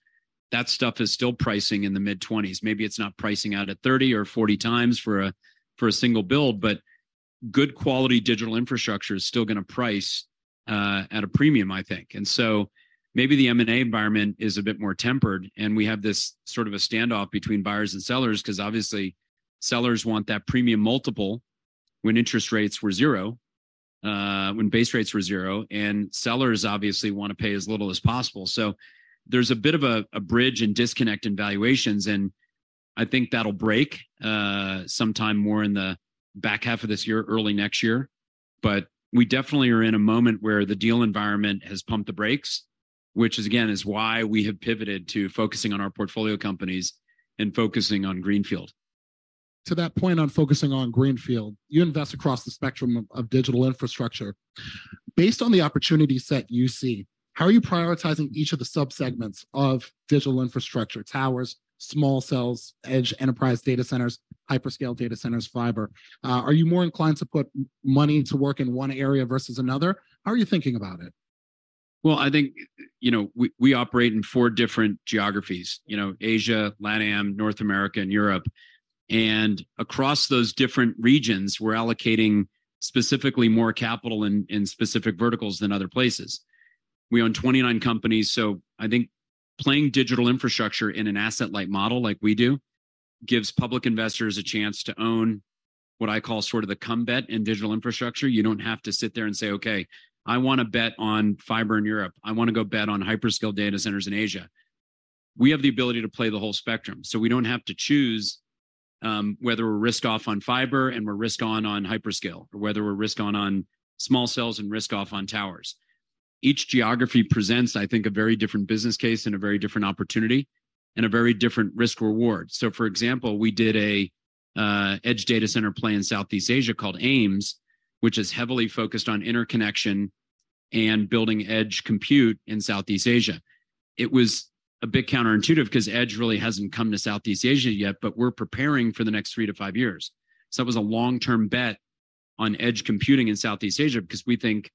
That stuff is still pricing in the mid-20s. Maybe it's not pricing out at 30 or 40 times for a, for a single build, but good quality digital infrastructure is still going to price at a premium, I think. Maybe the M&A environment is a bit more tempered, and we have this sort of a standoff between buyers and sellers, because obviously, sellers want that premium multiple when interest rates were 0, when base rates were 0, and sellers obviously want to pay as little as possible. There's a bit of a, a bridge and disconnect in valuations, and I think that'll break, sometime more in the back half of this year, early next year. We definitely are in a moment where the deal environment has pumped the brakes, which is, again, is why we have pivoted to focusing on our portfolio companies and focusing on greenfield. To that point on focusing on greenfield, you invest across the spectrum of, of digital infrastructure. Based on the opportunity set you see, how are you prioritizing each of the subsegments of digital infrastructure, towers, small cells, edge enterprise data centers, hyperscale data centers, fiber? Are you more inclined to put money to work in one area versus another? How are you thinking about it? Well, I think, you know, we, we operate in four different geographies: you know, Asia, LatAm, North America, and Europe. Across those different regions, we're allocating specifically more capital in, in specific verticals than other places. We own 29 companies, I think playing digital infrastructure in an asset-light model like we do, gives public investors a chance to own what I call sort of the come bet in digital infrastructure. You don't have to sit there and say, "Okay, I want to bet on fiber in Europe. I want to go bet on hyperscale data centers in Asia." We have the ability to play the whole spectrum, we don't have to choose whether we're risk off on fiber and we're risk on on hyperscale, or whether we're risk on on small cells and risk off on towers. Each geography presents, I think, a very different business case and a very different opportunity and a very different risk reward. For example, we did a edge data center play in Southeast Asia called AIMS, which is heavily focused on interconnection and building edge compute in Southeast Asia. It was a bit counterintuitive because edge really hasn't come to Southeast Asia yet, but we're preparing for the next 3-5 years. It was a long-term bet on edge computing in Southeast Asia because we think,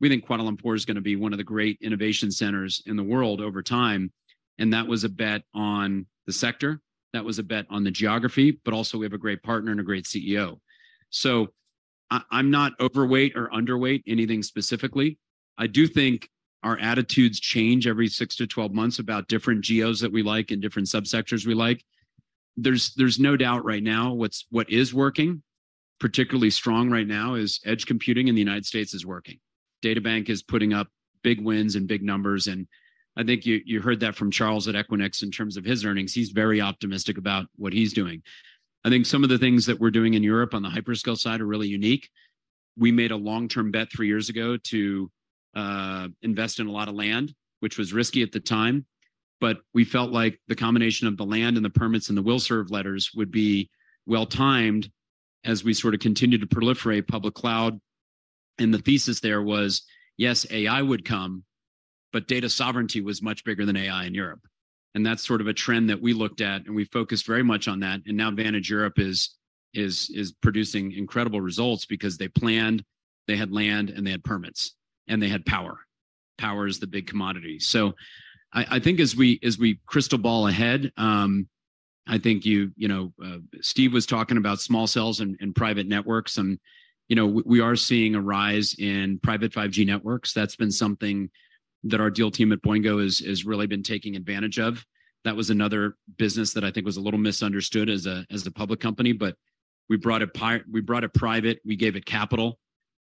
we think Kuala Lumpur is going to be one of the great innovation centers in the world over time, and that was a bet on the sector, that was a bet on the geography, but also we have a great partner and a great CEO. I, I'm not overweight or underweight anything specifically. I do think our attitudes change every 6-12 months about different geos that we like and different subsectors we like. There's no doubt right now, what is working, particularly strong right now, is edge computing in the United States is working. DataBank is putting up big wins and big numbers, and I think you heard that from Charles at Equinix in terms of his earnings. He's very optimistic about what he's doing. I think some of the things that we're doing in Europe on the hyperscale side are really unique. We made a long-term bet three years ago to invest in a lot of land, which was risky at the time, but we felt like the combination of the land and the permits and the will serve letters would be well-timed as we sort of continued to proliferate public cloud. The thesis there was, yes, AI would come, but data sovereignty was much bigger than AI in Europe. That's sort of a trend that we looked at, and we focused very much on that. Now Vantage Europe is producing incredible results because they planned, they had land, and they had permits, and they had power. Power is the big commodity. I think as we, as we crystal ball ahead, I think you, you know, Steve was talking about small cells and, and private networks. You know, we are seeing a rise in private 5G networks. That's been something that our deal team at Boingo is really been taking advantage of. That was another business that I think was a little misunderstood as a public company. We brought it private, we gave it capital,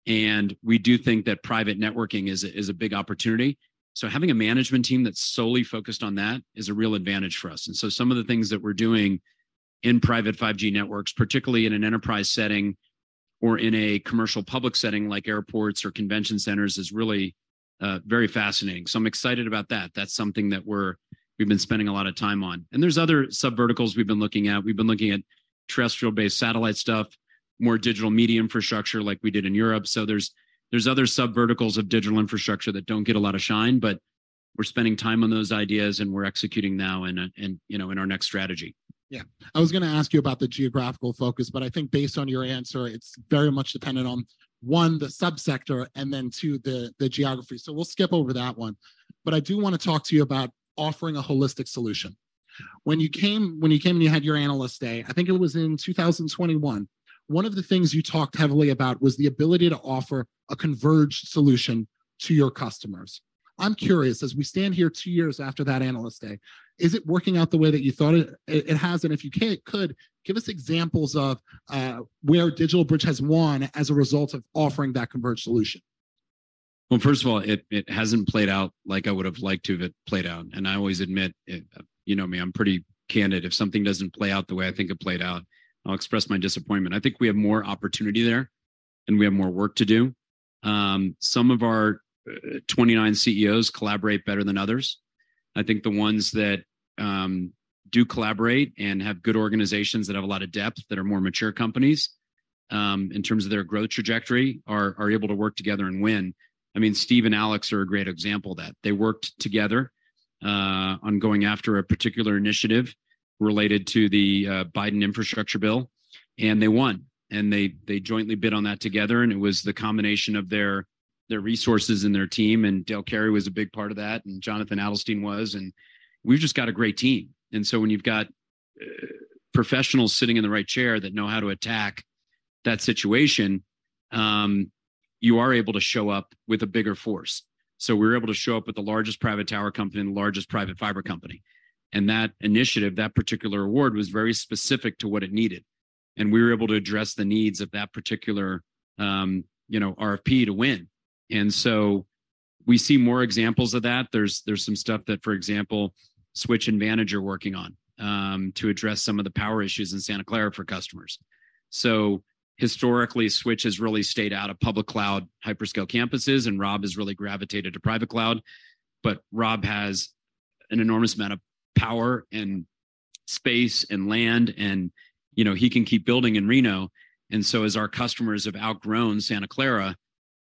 and we do think that private networking is a big opportunity. Having a management team that's solely focused on that is a real advantage for us. Some of the things that we're doing in private 5G networks, particularly in an enterprise setting or in a commercial public setting, like airports or convention centers, is really very fascinating. I'm excited about that. That's something that we've been spending a lot of time on. There's other Subverticals we've been looking at. We've been looking at terrestrial-based satellite stuff, more digital media infrastructure like we did in Europe. There's, there's other Subverticals of digital infrastructure that don't get a lot of shine, but we're spending time on those ideas, and we're executing now in, you know, in our next strategy. Yeah. I was going to ask you about the geographical focus, I think based on your answer, it's very much dependent on, 1, the subsector, and then, 2, the geography. We'll skip over that one. I do want to talk to you about offering a holistic solution. When you came, when you came and you had your Analyst Day, I think it was in 2021, 1 of the things you talked heavily about was the ability to offer a converged solution to your customers. I'm curious, as we stand here 2 years after that analyst day, is it working out the way that you thought it has? If you could give us examples of where DigitalBridge has won as a result of offering that converged solution. Well, first of all, it, it hasn't played out like I would've liked to have it played out, and I always admit it. You know me, I'm pretty candid. If something doesn't play out the way I think it played out, I'll express my disappointment. I think we have more opportunity there, and we have more work to do. Some of our 29 CEOs collaborate better than others. I think the ones that do collaborate and have good organizations that have a lot of depth, that are more mature companies, in terms of their growth trajectory, are able to work together and win. I mean, Steve and Alex are a great example of that. They worked together on going after a particular initiative related to the Biden infrastructure bill, and they won. They, they jointly bid on that together, and it was the combination of their, their resources and their team, and Dale Carey was a big part of that, and Jonathan Adelstein was, and we've just got a great team. When you've got professionals sitting in the right chair that know how to attack that situation, you are able to show up with a bigger force. We were able to show up with the largest private tower company and the largest private fiber company. That initiative, that particular award, was very specific to what it needed, and we were able to address the needs of that particular, you know, RFP to win. We see more examples of that. There's, there's some stuff that, for example, Switch and Vantage are working on, to address some of the power issues in Santa Clara for customers. Historically, Switch has really stayed out of public cloud hyperscale campuses. Rob has really gravitated to private cloud. Rob has an enormous amount of power and space and land. You know, he can keep building in Reno. As our customers have outgrown Santa Clara,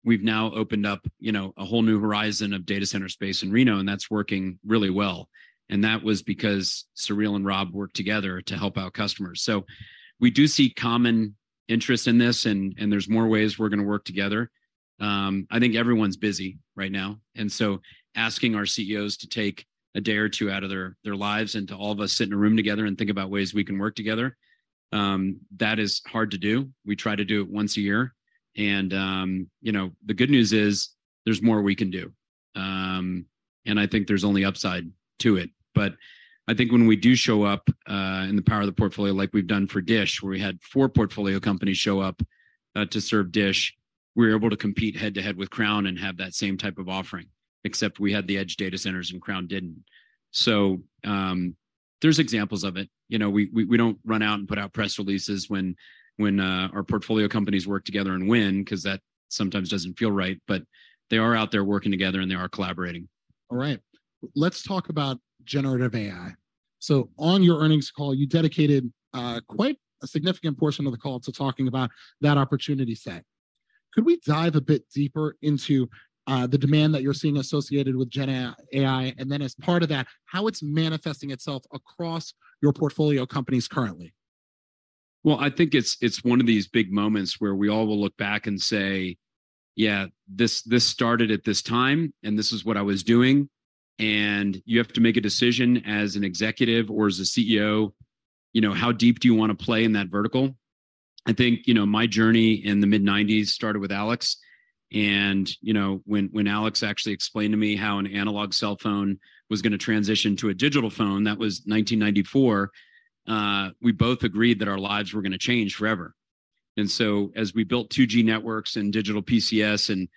we've now opened up, you know, a whole new horizon of data center space in Reno. That's working really well. That was because Sureel and Rob worked together to help our customers. We do see common interest in this. There's more ways we're gonna work together. I think everyone's busy right now, asking our CEOs to take 1 or 2 days out of their lives, and to all of us sit in a room together and think about ways we can work together, that is hard to do. We try to do it 1 a year, you know, the good news is there's more we can do. I think there's only upside to it. I think when we do show up, in the power of the portfolio, like we've done for Dish, where we had 4 portfolio companies show up, to serve Dish, we were able to compete head-to-head with Crown and have that same type of offering, except we had the edge data centers and Crown didn't. There's examples of it. You know, we, we, we don't run out and put out press releases when, when our portfolio companies work together and win, 'cause that sometimes doesn't feel right, but they are out there working together, and they are collaborating. All right. Let's talk about generative AI. On your earnings call, you dedicated quite a significant portion of the call to talking about that opportunity set. Could we dive a bit deeper into the demand that you're seeing associated with generative AI, and then, as part of that, how it's manifesting itself across your portfolio companies currently? Well, I think it's, it's one of these big moments where we all will look back and say, "Yeah, this, this started at this time, and this is what I was doing." You have to make a decision as an executive or as a CEO, you know, how deep do you want to play in that vertical? I think, you know, my journey in the mid-nineties started with Alex, you know, when, when Alex actually explained to me how an analog cell phone was gonna transition to a digital phone, that was 1994, we both agreed that our lives were gonna change forever. As we built 2G networks and digital PCS, and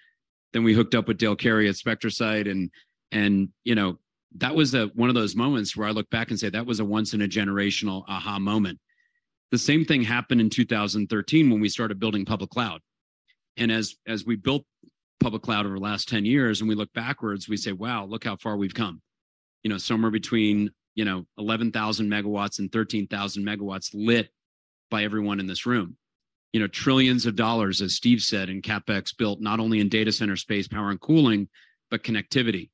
then we hooked up with Dale Carey at SpectraSite, and, and, you know, that was a, one of those moments where I look back and say, "That was a once-in-a-generational aha moment." The same thing happened in 2013 when we started building public cloud. As, as we built public cloud over the last 10 years, and we look backwards, we say, "Wow, look how far we've come." You know, somewhere between, you know, 11,000 MWs and 13,000 MWs lit by everyone in this room. You know, trillions of dollars, as Steve said, in CapEx, built not only in data center space, power, and cooling, but connectivity.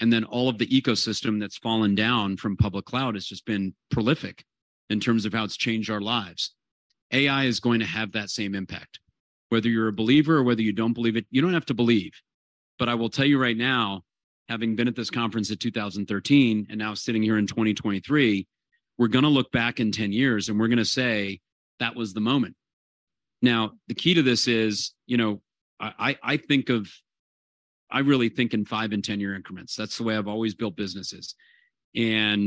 Then all of the ecosystem that's fallen down from public cloud has just been prolific in terms of how it's changed our lives. AI is going to have that same impact. Whether you're a believer or whether you don't believe it, you don't have to believe, but I will tell you right now, having been at this conference in 2013 and now sitting here in 2023, we're gonna look back in 10 years, and we're gonna say, "That was the moment." The key to this is, you know, I think of... I really think in 5 and 10-year increments. That's the way I've always built businesses. You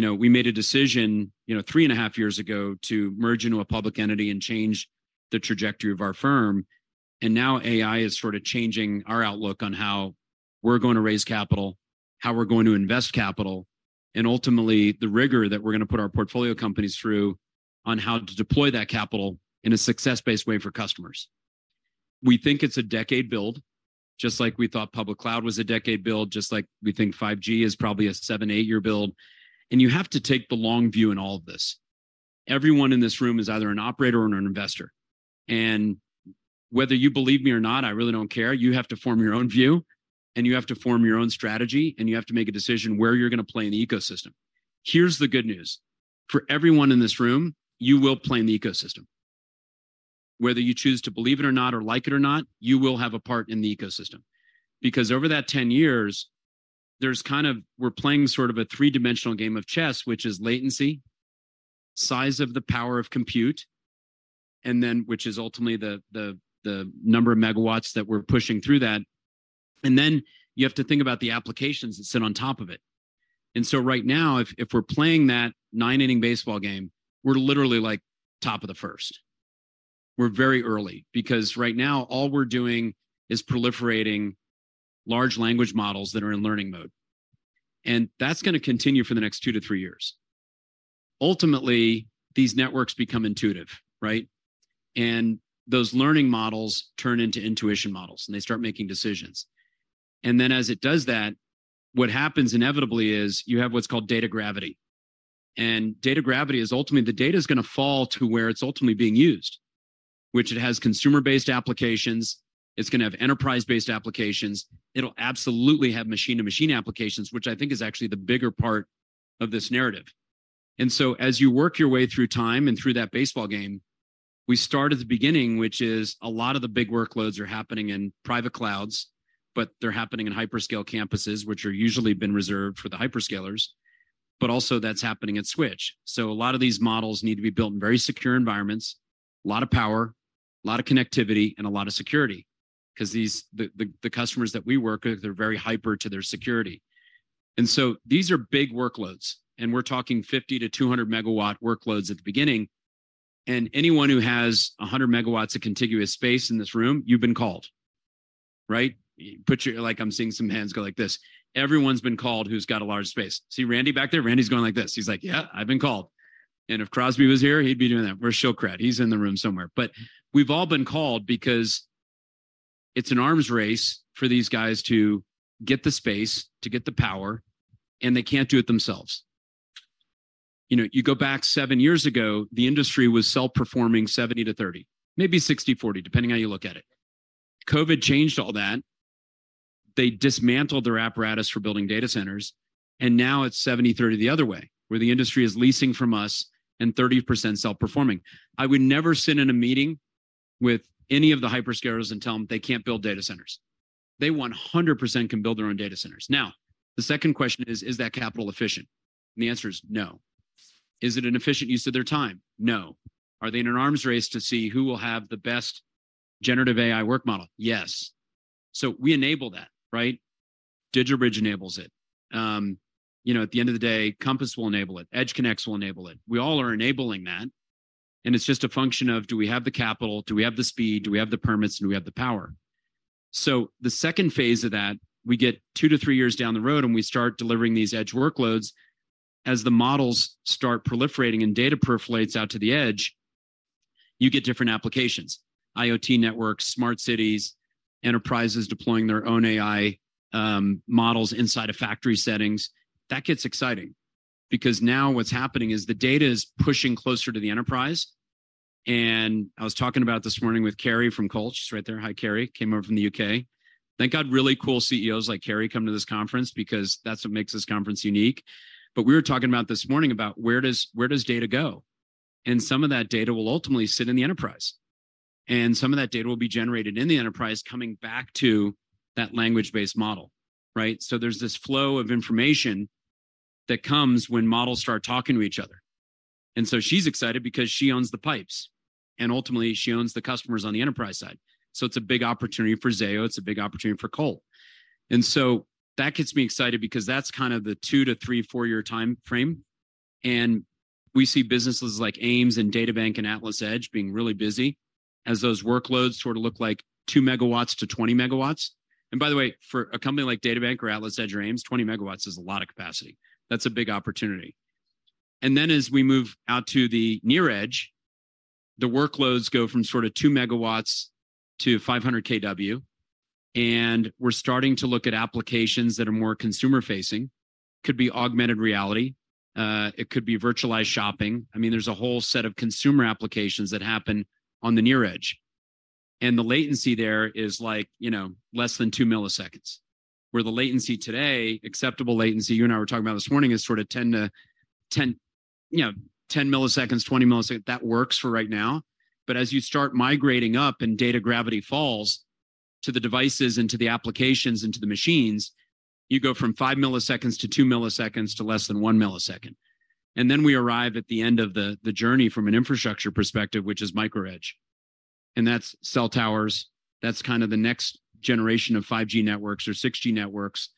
know, we made a decision, you know, 3.5 years ago to merge into a public entity and change the trajectory of our firm, and now AI is sort of changing our outlook on how we're going to raise capital, how we're going to invest capital, and ultimately, the rigor that we're gonna put our portfolio companies through on how to deploy that capital in a success-based way for customers. We think it's a decade build, just like we thought public cloud was a decade build, just like we think 5G is probably a 7-8-year build, and you have to take the long view in all of this. Everyone in this room is either an operator or an investor. Whether you believe me or not, I really don't care, you have to form your own view, and you have to form your own strategy, and you have to make a decision where you're gonna play in the ecosystem. Here's the good news: For everyone in this room, you will play in the ecosystem. Whether you choose to believe it or not or like it or not, you will have a part in the ecosystem. Over that 10 years, there's kind of we're playing sort of a three-dimensional game of chess, which is latency, size of the power of compute, and then which is ultimately the number of MWs that we're pushing through that. Then you have to think about the applications that sit on top of it. Right now, if, if we're playing that nine-inning baseball game, we're literally like top of the first. We're very early, because right now all we're doing is proliferating large language models that are in learning mode. That's gonna continue for the next two to three years. Ultimately, these networks become intuitive, right? Those learning models turn into intuition models, and they start making decisions. As it does that, what happens inevitably is you have what's called data gravity. Data gravity is ultimately, the data's gonna fall to where it's ultimately being used, which it has consumer-based applications, it's gonna have enterprise-based applications, it'll absolutely have machine-to-machine applications, which I think is actually the bigger part of this narrative. As you work your way through time and through that baseball game, we start at the beginning, which is a lot of the big workloads are happening in private clouds, but they're happening in hyperscale campuses, which are usually been reserved for the hyperscalers, but also that's happening at Switch. A lot of these models need to be built in very secure environments, a lot of power, a lot of connectivity, and a lot of security, 'cause these the customers that we work with, they're very hyper to their security. These are big workloads, and we're talking 50-200 MW workloads at the beginning, and anyone who has 100 MWs of contiguous space in this room, you've been called, right? You Like, I'm seeing some hands go like this. Everyone's been called who's got a large space. See Randy back there? Randy's going like this. He's like: "Yeah, I've been called." If Crosby was here, he'd be doing that. Where's Shilkret? He's in the room somewhere. We've all been called because it's an arms race for these guys to get the space, to get the power, and they can't do it themselves. You know, you go back seven years ago, the industry was self-performing 70/30, maybe 60/40, depending how you look at it. COVID changed all that. They dismantled their apparatus for building data centers. Now it's 70/30 the other way, where the industry is leasing from us and 30% self-performing. I would never sit in a meeting with any of the hyperscalers and tell them they can't build data centers. They 100% can build their own data centers. The second question is, is that capital efficient? The answer is no. Is it an efficient use of their time? No. Are they in an arms race to see who will have the best generative AI work model? Yes. We enable that, right? DigitalBridge enables it. You know, at the end of the day, Compass will enable it, EdgeConnectX will enable it. We all are enabling that, and it's just a function of do we have the capital, do we have the speed, do we have the permits, and do we have the power? The second phase of that, we get 2-3 years down the road, and we start delivering these edge workloads. As the models start proliferating and data perforates out to the edge, you get different applications: IoT networks, smart cities, enterprises deploying their own AI, models inside a factory settings. That gets exciting because now what's happening is the data is pushing closer to the enterprise. I was talking about this morning with Keri from Colt, she's right there. Hi, Keri. Came over from the U.K. Thank God, really cool CEOs like Keri come to this conference because that's what makes this conference unique. We were talking about this morning about where does data go, and some of that data will ultimately sit in the enterprise, and some of that data will be generated in the enterprise coming back to that language-based model, right? There's this flow of information that comes when models start talking to each other. She's excited because she owns the pipes, and ultimately, she owns the customers on the enterprise side. It's a big opportunity for Zayo, it's a big opportunity for Colt. That gets me excited because that's kind of the 2 to 3, 4-year time frame. We see businesses like Ames and Databank and Atlas Edge being really busy as those workloads sort of look like 2 MWs to 20 MWs. By the way, for a company like Databank or Atlas Edge or Ames, 20 MWs is a lot of capacity. That's a big opportunity. As we move out to the near edge, the workloads go from sort of 2 MWs to 500 KW, and we're starting to look at applications that are more consumer-facing. Could be augmented reality, it could be virtualized shopping. I mean, there's a whole set of consumer applications that happen on the near edge, the latency there is like, you know, less than 2 milliseconds, where the latency today, acceptable latency, you and I were talking about this morning, is sort of 10 milliseconds, 20 milliseconds. That works for right now. As you start migrating up and data gravity falls to the devices, and to the applications, and to the machines, you go from 5 milliseconds to 2 milliseconds to less than 1 millisecond. Then we arrive at the end of the, the journey from an infrastructure perspective, which is micro edge, and that's cell towers. That's kind of the next generation of 5G networks or 6G networks,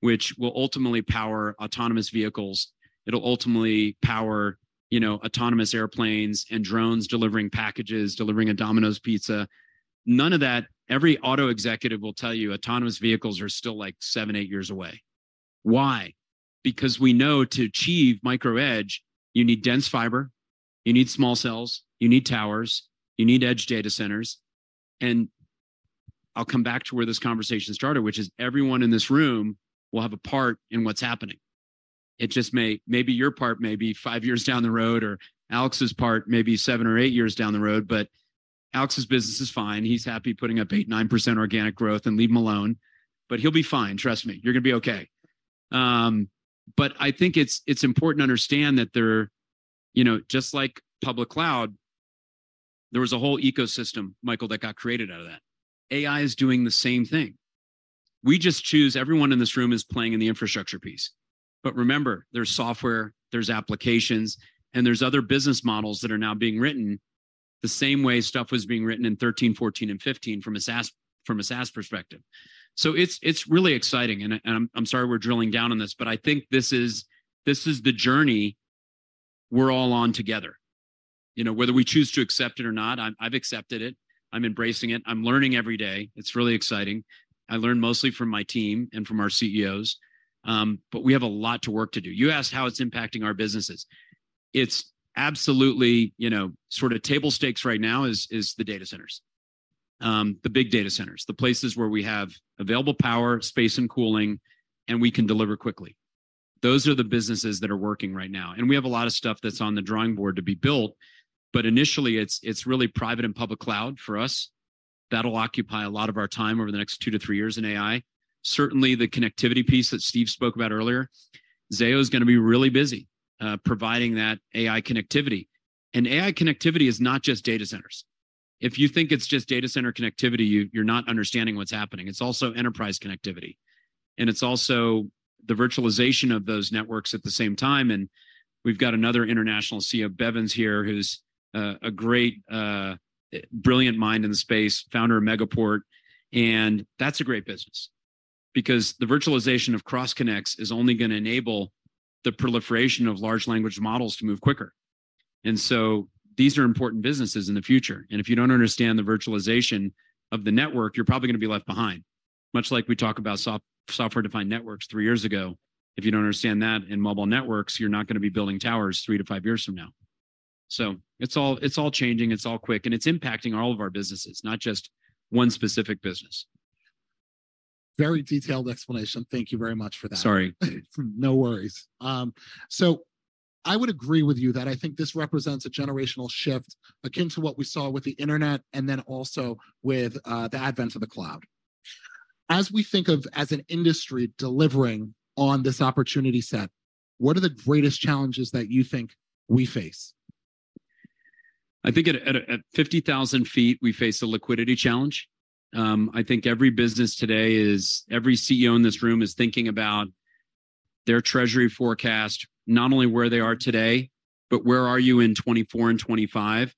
which will ultimately power autonomous vehicles. It'll ultimately power, you know, autonomous airplanes and drones, delivering packages, delivering a Domino's pizza. None of that... Every auto executive will tell you autonomous vehicles are still like 7, 8 years away. Why? Because we know to achieve micro edge, you need dense fiber, you need small cells, you need towers, you need edge data centers. I'll come back to where this conversation started, which is everyone in this room will have a part in what's happening. It just may, maybe your part may be 5 years down the road, or Alex's part may be 7 or 8 years down the road. Alex's business is fine. He's happy putting up 8%, 9% organic growth and leave him alone. He'll be fine. Trust me, you're gonna be okay. But I think it's, it's important to understand that there, you know, just like public cloud, there was a whole ecosystem, Michael, that got created out of that. AI is doing the same thing. We just choose, everyone in this room is playing in the infrastructure piece. Remember, there's software, there's applications, and there's other business models that are now being written the same way stuff was being written in 13, 14, and 15 from a SaaS, from a SaaS perspective. It's, it's really exciting, and I, and I'm, I'm sorry we're drilling down on this, but I think this is, this is the journey we're all on together. You know, whether we choose to accept it or not, I've accepted it. I'm embracing it. I'm learning every day. It's really exciting. I learn mostly from my team and from our CEOs, we have a lot to work to do. You asked how it's impacting our businesses. It's absolutely, you know, sort of table stakes right now is, is the data centers, the big data centers, the places where we have available power, space, and cooling, and we can deliver quickly. Those are the businesses that are working right now, and we have a lot of stuff that's on the drawing board to be built, but initially it's, it's really private and public cloud for us. That'll occupy a lot of our time over the next 2 to 3 years in AI. Certainly, the connectivity piece that Steve spoke about earlier, Zayo is gonna be really busy providing that AI connectivity. AI connectivity is not just data centers. If you think it's just data center connectivity, you, you're not understanding what's happening. It's also enterprise connectivity, and it's also the virtualization of those networks at the same time. We've got another international CEO, Bevans here, who's a great, brilliant mind in the space, founder of Megaport, and that's a great business. Because the virtualization of cross connects is only gonna enable the proliferation of large language models to move quicker. These are important businesses in the future, and if you don't understand the virtualization of the network, you're probably gonna be left behind. Much like we talked about software-defined networks 3 years ago, if you don't understand that in mobile networks, you're not gonna be building towers 3-5 years from now. It's all, it's all changing, it's all quick, and it's impacting all of our businesses, not just one specific business. Very detailed explanation. Thank you very much for that. Sorry. No worries. I would agree with you that I think this represents a generational shift akin to what we saw with the internet and then also with the advent of the cloud. As we think of, as an industry delivering on this opportunity set, what are the greatest challenges that you think we face? I think at a, at a, at 50,000 feet, we face a liquidity challenge. I think every business today every CEO in this room is thinking about their treasury forecast, not only where they are today, but where are you in 2024 and 2025.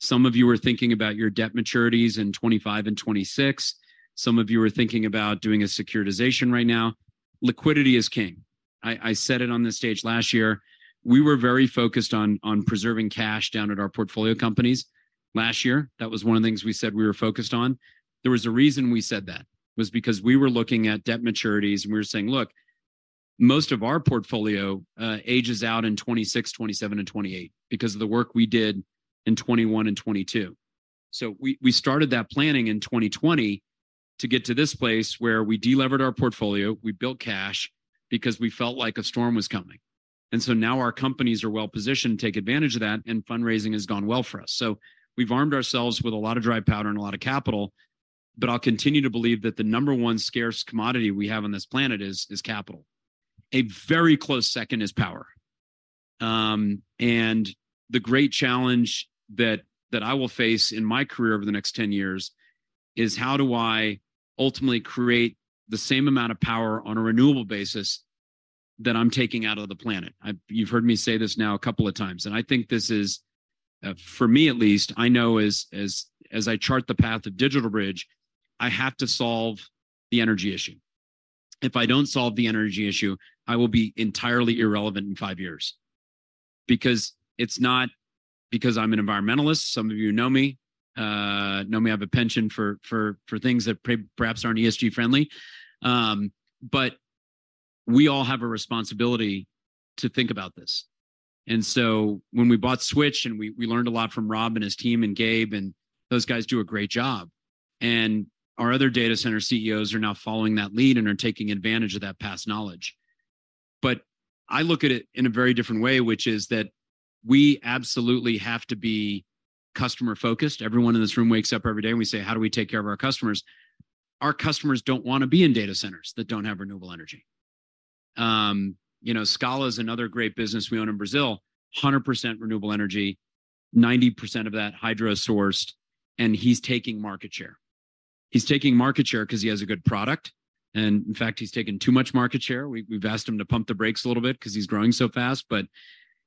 Some of you are thinking about your debt maturities in 2025 and 2026. Some of you are thinking about doing a securitization right now. Liquidity is king. I said it on this stage last year, we were very focused on, on preserving cash down at our portfolio companies last year. That was one of the things we said we were focused on. There was a reason we said that, was because we were looking at debt maturities, and we were saying: Look, most of our portfolio, ages out in 2026, 2027, and 2028 because of the work we did in 2021 and 2022. We, we started that planning in 2020 to get to this place where we delevered our portfolio, we built cash because we felt like a storm was coming. Now our companies are well positioned to take advantage of that, and fundraising has gone well for us. We've armed ourselves with a lot of dry powder and a lot of capital, but I'll continue to believe that the number one scarce commodity we have on this planet is capital. A very close second is power. The great challenge that, that I will face in my career over the next 10 years is: How do I ultimately create the same amount of power on a renewable basis that I'm taking out of the planet? I've, you've heard me say this now a couple of times, and I think this is for me at least, I know as, as, as I chart the path of DigitalBridge, I have to solve the energy issue. If I don't solve the energy issue, I will be entirely irrelevant in 5 years. Because it's not because I'm an environmentalist, some of you know me, know me, I have a penchant for, for, for things that perhaps aren't ESG friendly. We all have a responsibility to think about this. When we bought Switch, and we, we learned a lot from Rob and his team and Gabe, and those guys do a great job. Our other data center CEOs are now following that lead and are taking advantage of that past knowledge. I look at it in a very different way, which is that we absolutely have to be customer-focused. Everyone in this room wakes up every day, and we say, "How do we take care of our customers?" Our customers don't want to be in data centers that don't have renewable energy. you know, Scala is another great business we own in Brazil, 100% renewable energy, 90% of that hydro-sourced, and he's taking market share. He's taking market share 'cause he has a good product, and in fact, he's taken too much market share. We've asked him to pump the brakes a little bit 'cause he's growing so fast.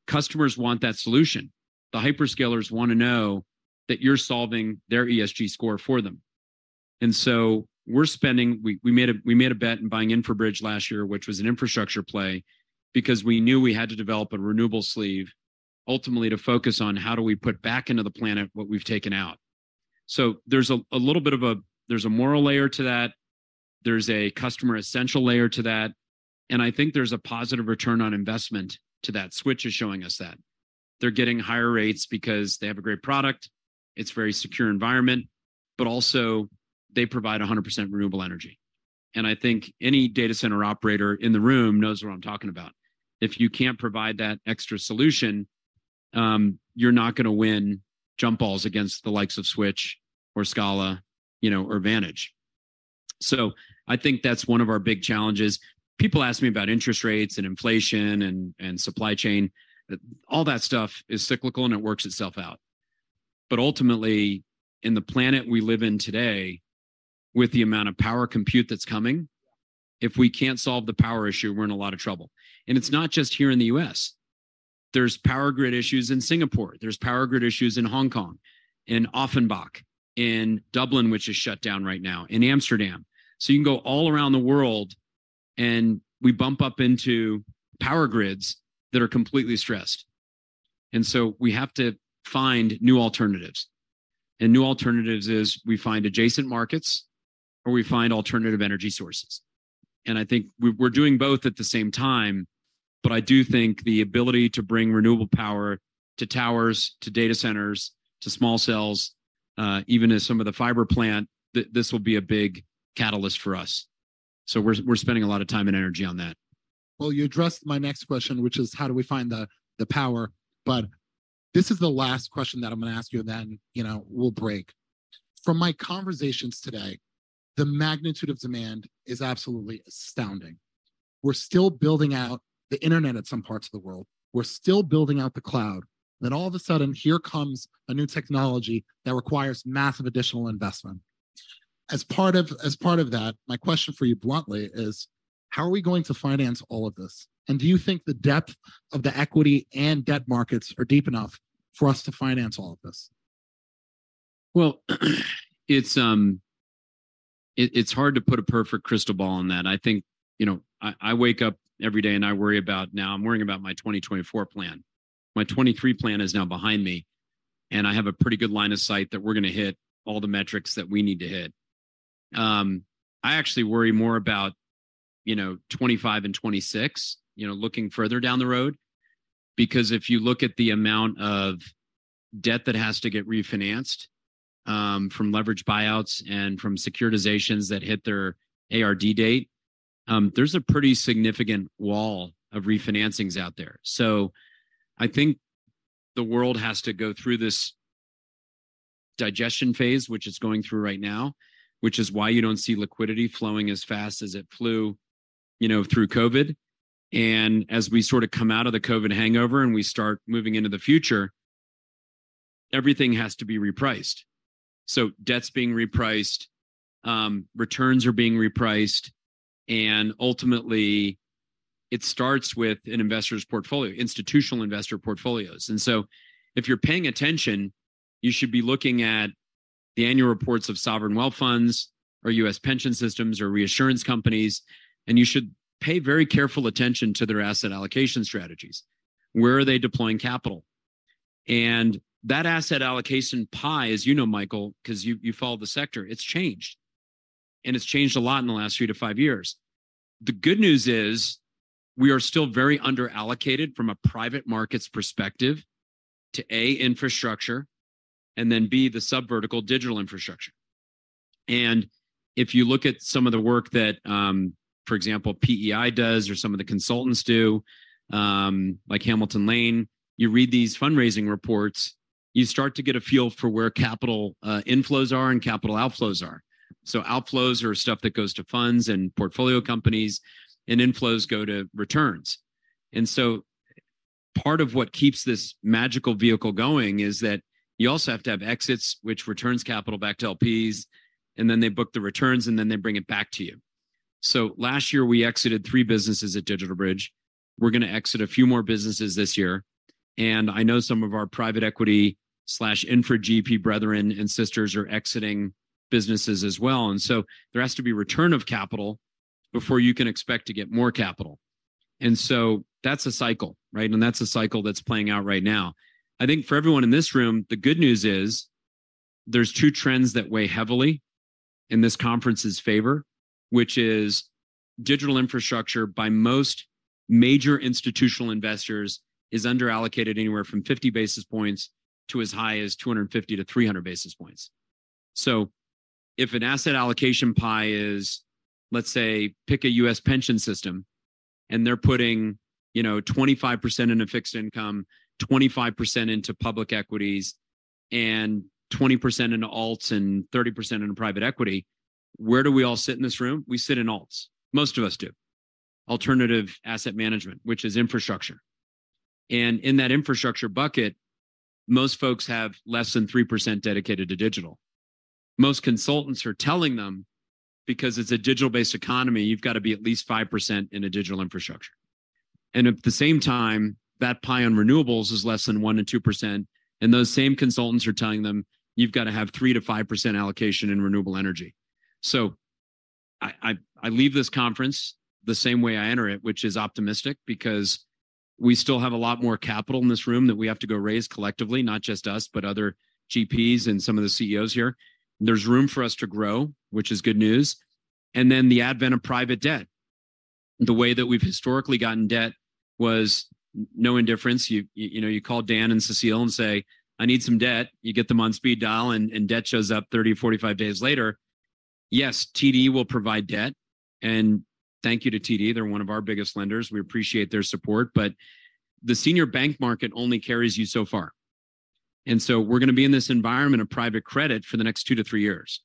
Customers want that solution. The hyperscalers want to know that you're solving their ESG score for them. We're spending, we made a bet in buying InfraBridge last year, which was an infrastructure play, because we knew we had to develop a renewable sleeve, ultimately to focus on how do we put back into the planet what we've taken out. There's a little bit of a moral layer to that, there's a customer essential layer to that, and I think there's a positive return on investment to that. Switch is showing us that. They're getting higher rates because they have a great product, it's a very secure environment, but also they provide 100% renewable energy. I think any data center operator in the room knows what I'm talking about. If you can't provide that extra solution, you're not gonna win jump balls against the likes of Switch or Scala, you know, or Vantage. I think that's one of our big challenges. People ask me about interest rates and inflation and, and supply chain. All that stuff is cyclical, and it works itself out. Ultimately, in the planet we live in today, with the amount of power compute that's coming, if we can't solve the power issue, we're in a lot of trouble. It's not just here in the U.S. There's power grid issues in Singapore, there's power grid issues in Hong Kong, in Offenbach, in Dublin, which is shut down right now, in Amsterdam. You can go all around the world, and we bump up into power grids that are completely stressed, and so we have to find new alternatives. New alternatives is we find adjacent markets, or we find alternative energy sources, and I think we're doing both at the same time. I do think the ability to bring renewable power to towers, to data centers, to small cells, even in some of the fiber plant, this will be a big catalyst for us. We're, we're spending a lot of time and energy on that. You addressed my next question, which is: how do we find the, the power? But this is the last question that I'm gonna ask you, and then, you know, we'll break. From my conversations today, the magnitude of demand is absolutely astounding. We're still building out the internet at some parts of the world. We're still building out the cloud. Then all of a sudden, here comes a new technology that requires massive additional investment. As part of, as part of that, my question for you, bluntly, is: how are we going to finance all of this? And do you think the depth of the equity and debt markets are deep enough for us to finance all of this? Well, it's, it's hard to put a perfect crystal ball on that. I think, you know, I, I wake up every day, and I worry about... Now I'm worrying about my 2024 plan. My 2023 plan is now behind me, and I have a pretty good line of sight that we're gonna hit all the metrics that we need to hit. I actually worry more about, you know, 25 and 26, you know, looking further down the road, because if you look at the amount of debt that has to get refinanced, from leveraged buyouts and from securitizations that hit their ARD date, there's a pretty significant wall of refinancings out there. I think the world has to go through this digestion phase, which it's going through right now, which is why you don't see liquidity flowing as fast as it flew, you know, through COVID. As we sort of come out of the COVID hangover, and we start moving into the future, everything has to be repriced. Debts being repriced, returns are being repriced, and ultimately, it starts with an investor's portfolio, institutional investor portfolios. If you're paying attention, you should be looking at the annual reports of sovereign wealth funds or US pension systems or reassurance companies, and you should pay very careful attention to their asset allocation strategies. Where are they deploying capital? That asset allocation pie, as you know, Michael, 'cause you, you follow the sector, it's changed, and it's changed a lot in the last 3-5 years. The good news is, we are still very under-allocated from a private markets perspective to, A, infrastructure, and then, B, the Subvertical digital infrastructure. If you look at some of the work that, for example, PEI does, or some of the consultants do, like Hamilton Lane, you read these fundraising reports, you start to get a feel for where capital inflows are and capital outflows are. Outflows are stuff that goes to funds and portfolio companies, and inflows go to returns. Part of what keeps this magical vehicle going is that you also have to have exits, which returns capital back to LPs, and then they book the returns, and then they bring it back to you. Last year, we exited three businesses at DigitalBridge. We're gonna exit a few more businesses this year, and I know some of our private equity/infra GP brethren and sisters are exiting businesses as well. There has to be return of capital before you can expect to get more capital. That's a cycle, right? That's a cycle that's playing out right now. I think for everyone in this room, the good news is, there's two trends that weigh heavily in this conference's favor, which is digital infrastructure by most major institutional investors is under-allocated anywhere from 50 basis points to as high as 250-300 basis points. If an asset allocation pie is, let's say, pick a U.S. pension system, and they're putting, you know, 25% into fixed income, 25% into public equities, and 20% into alts, and 30% into private equity, where do we all sit in this room? We sit in alts. Most of us do. Alternative asset management, which is infrastructure. In that infrastructure bucket, most folks have less than 3% dedicated to digital. Most consultants are telling them because it's a digital-based economy, you've got to be at least 5% in a digital infrastructure. At the same time, that pie on renewables is less than 1% and 2%, those same consultants are telling them, "You've got to have 3%-5% allocation in renewable energy." I, I, I leave this conference the same way I enter it, which is optimistic, because we still have a lot more capital in this room that we have to go raise collectively, not just us, but other GPs and some of the CEOs here. There's room for us to grow, which is good news. Then the advent of private debt. The way that we've historically gotten debt was no indifference. You, you know, you call Dan and Cecile and say, "I need some debt." You get them on speed dial, and debt shows up 30-45 days later. Yes, TD will provide debt. Thank you to TD. They're one of our biggest lenders. We appreciate their support. The senior bank market only carries you so far, and so we're gonna be in this environment of private credit for the next 2-3 years.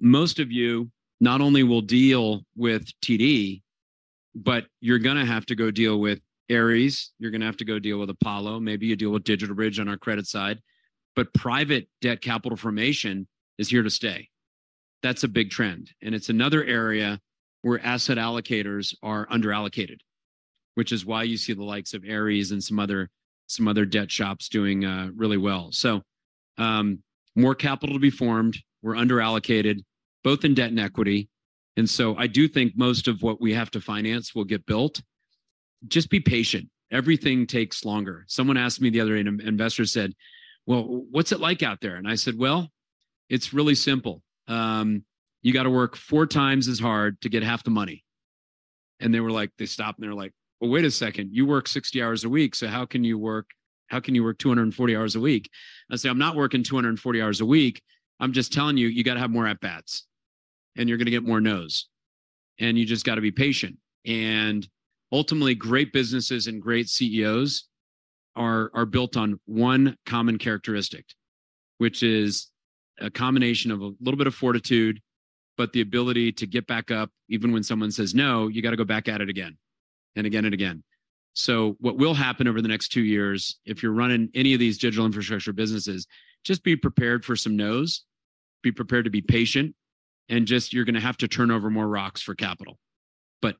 Most of you not only will deal with TD, but you're gonna have to go deal with Ares, you're gonna have to go deal with Apollo, maybe you deal with DigitalBridge on our credit side. Private debt capital formation is here to stay. That's a big trend, and it's another area where asset allocators are under-allocated, which is why you see the likes of Ares and some other, some other debt shops doing really well. More capital to be formed. We're under-allocated both in debt and equity, and so I do think most of what we have to finance will get built. Just be patient. Everything takes longer. Someone asked me the other day, an investor said, "Well, what's it like out there?" I said: Well, it's really simple. You gotta work four times as hard to get half the money. They were like, they stopped, and they were like: "Well, wait a second, you work 60 hours a week, so how can you work, how can you work 240 hours a week?" I say, "I'm not working 240 hours a week. I'm just telling you, you gotta have more at-bats, and you're gonna get more noes, and you just gotta be patient. Ultimately, great businesses and great CEOs are built on one common characteristic, which is a combination of a little bit of fortitude, but the ability to get back up even when someone says no, you gotta go back at it again and again and again. What will happen over the next two years, if you're running any of these digital infrastructure businesses, just be prepared for some noes, be prepared to be patient, and just you're gonna have to turn over more rocks for capital.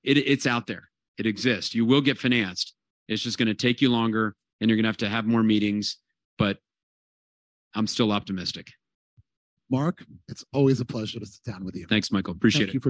It's out there. It exists. You will get financed. It's just gonna take you longer, and you're gonna have to have more meetings, but I'm still optimistic. Mark, it's always a pleasure to sit down with you. Thanks, Michael. Appreciate it.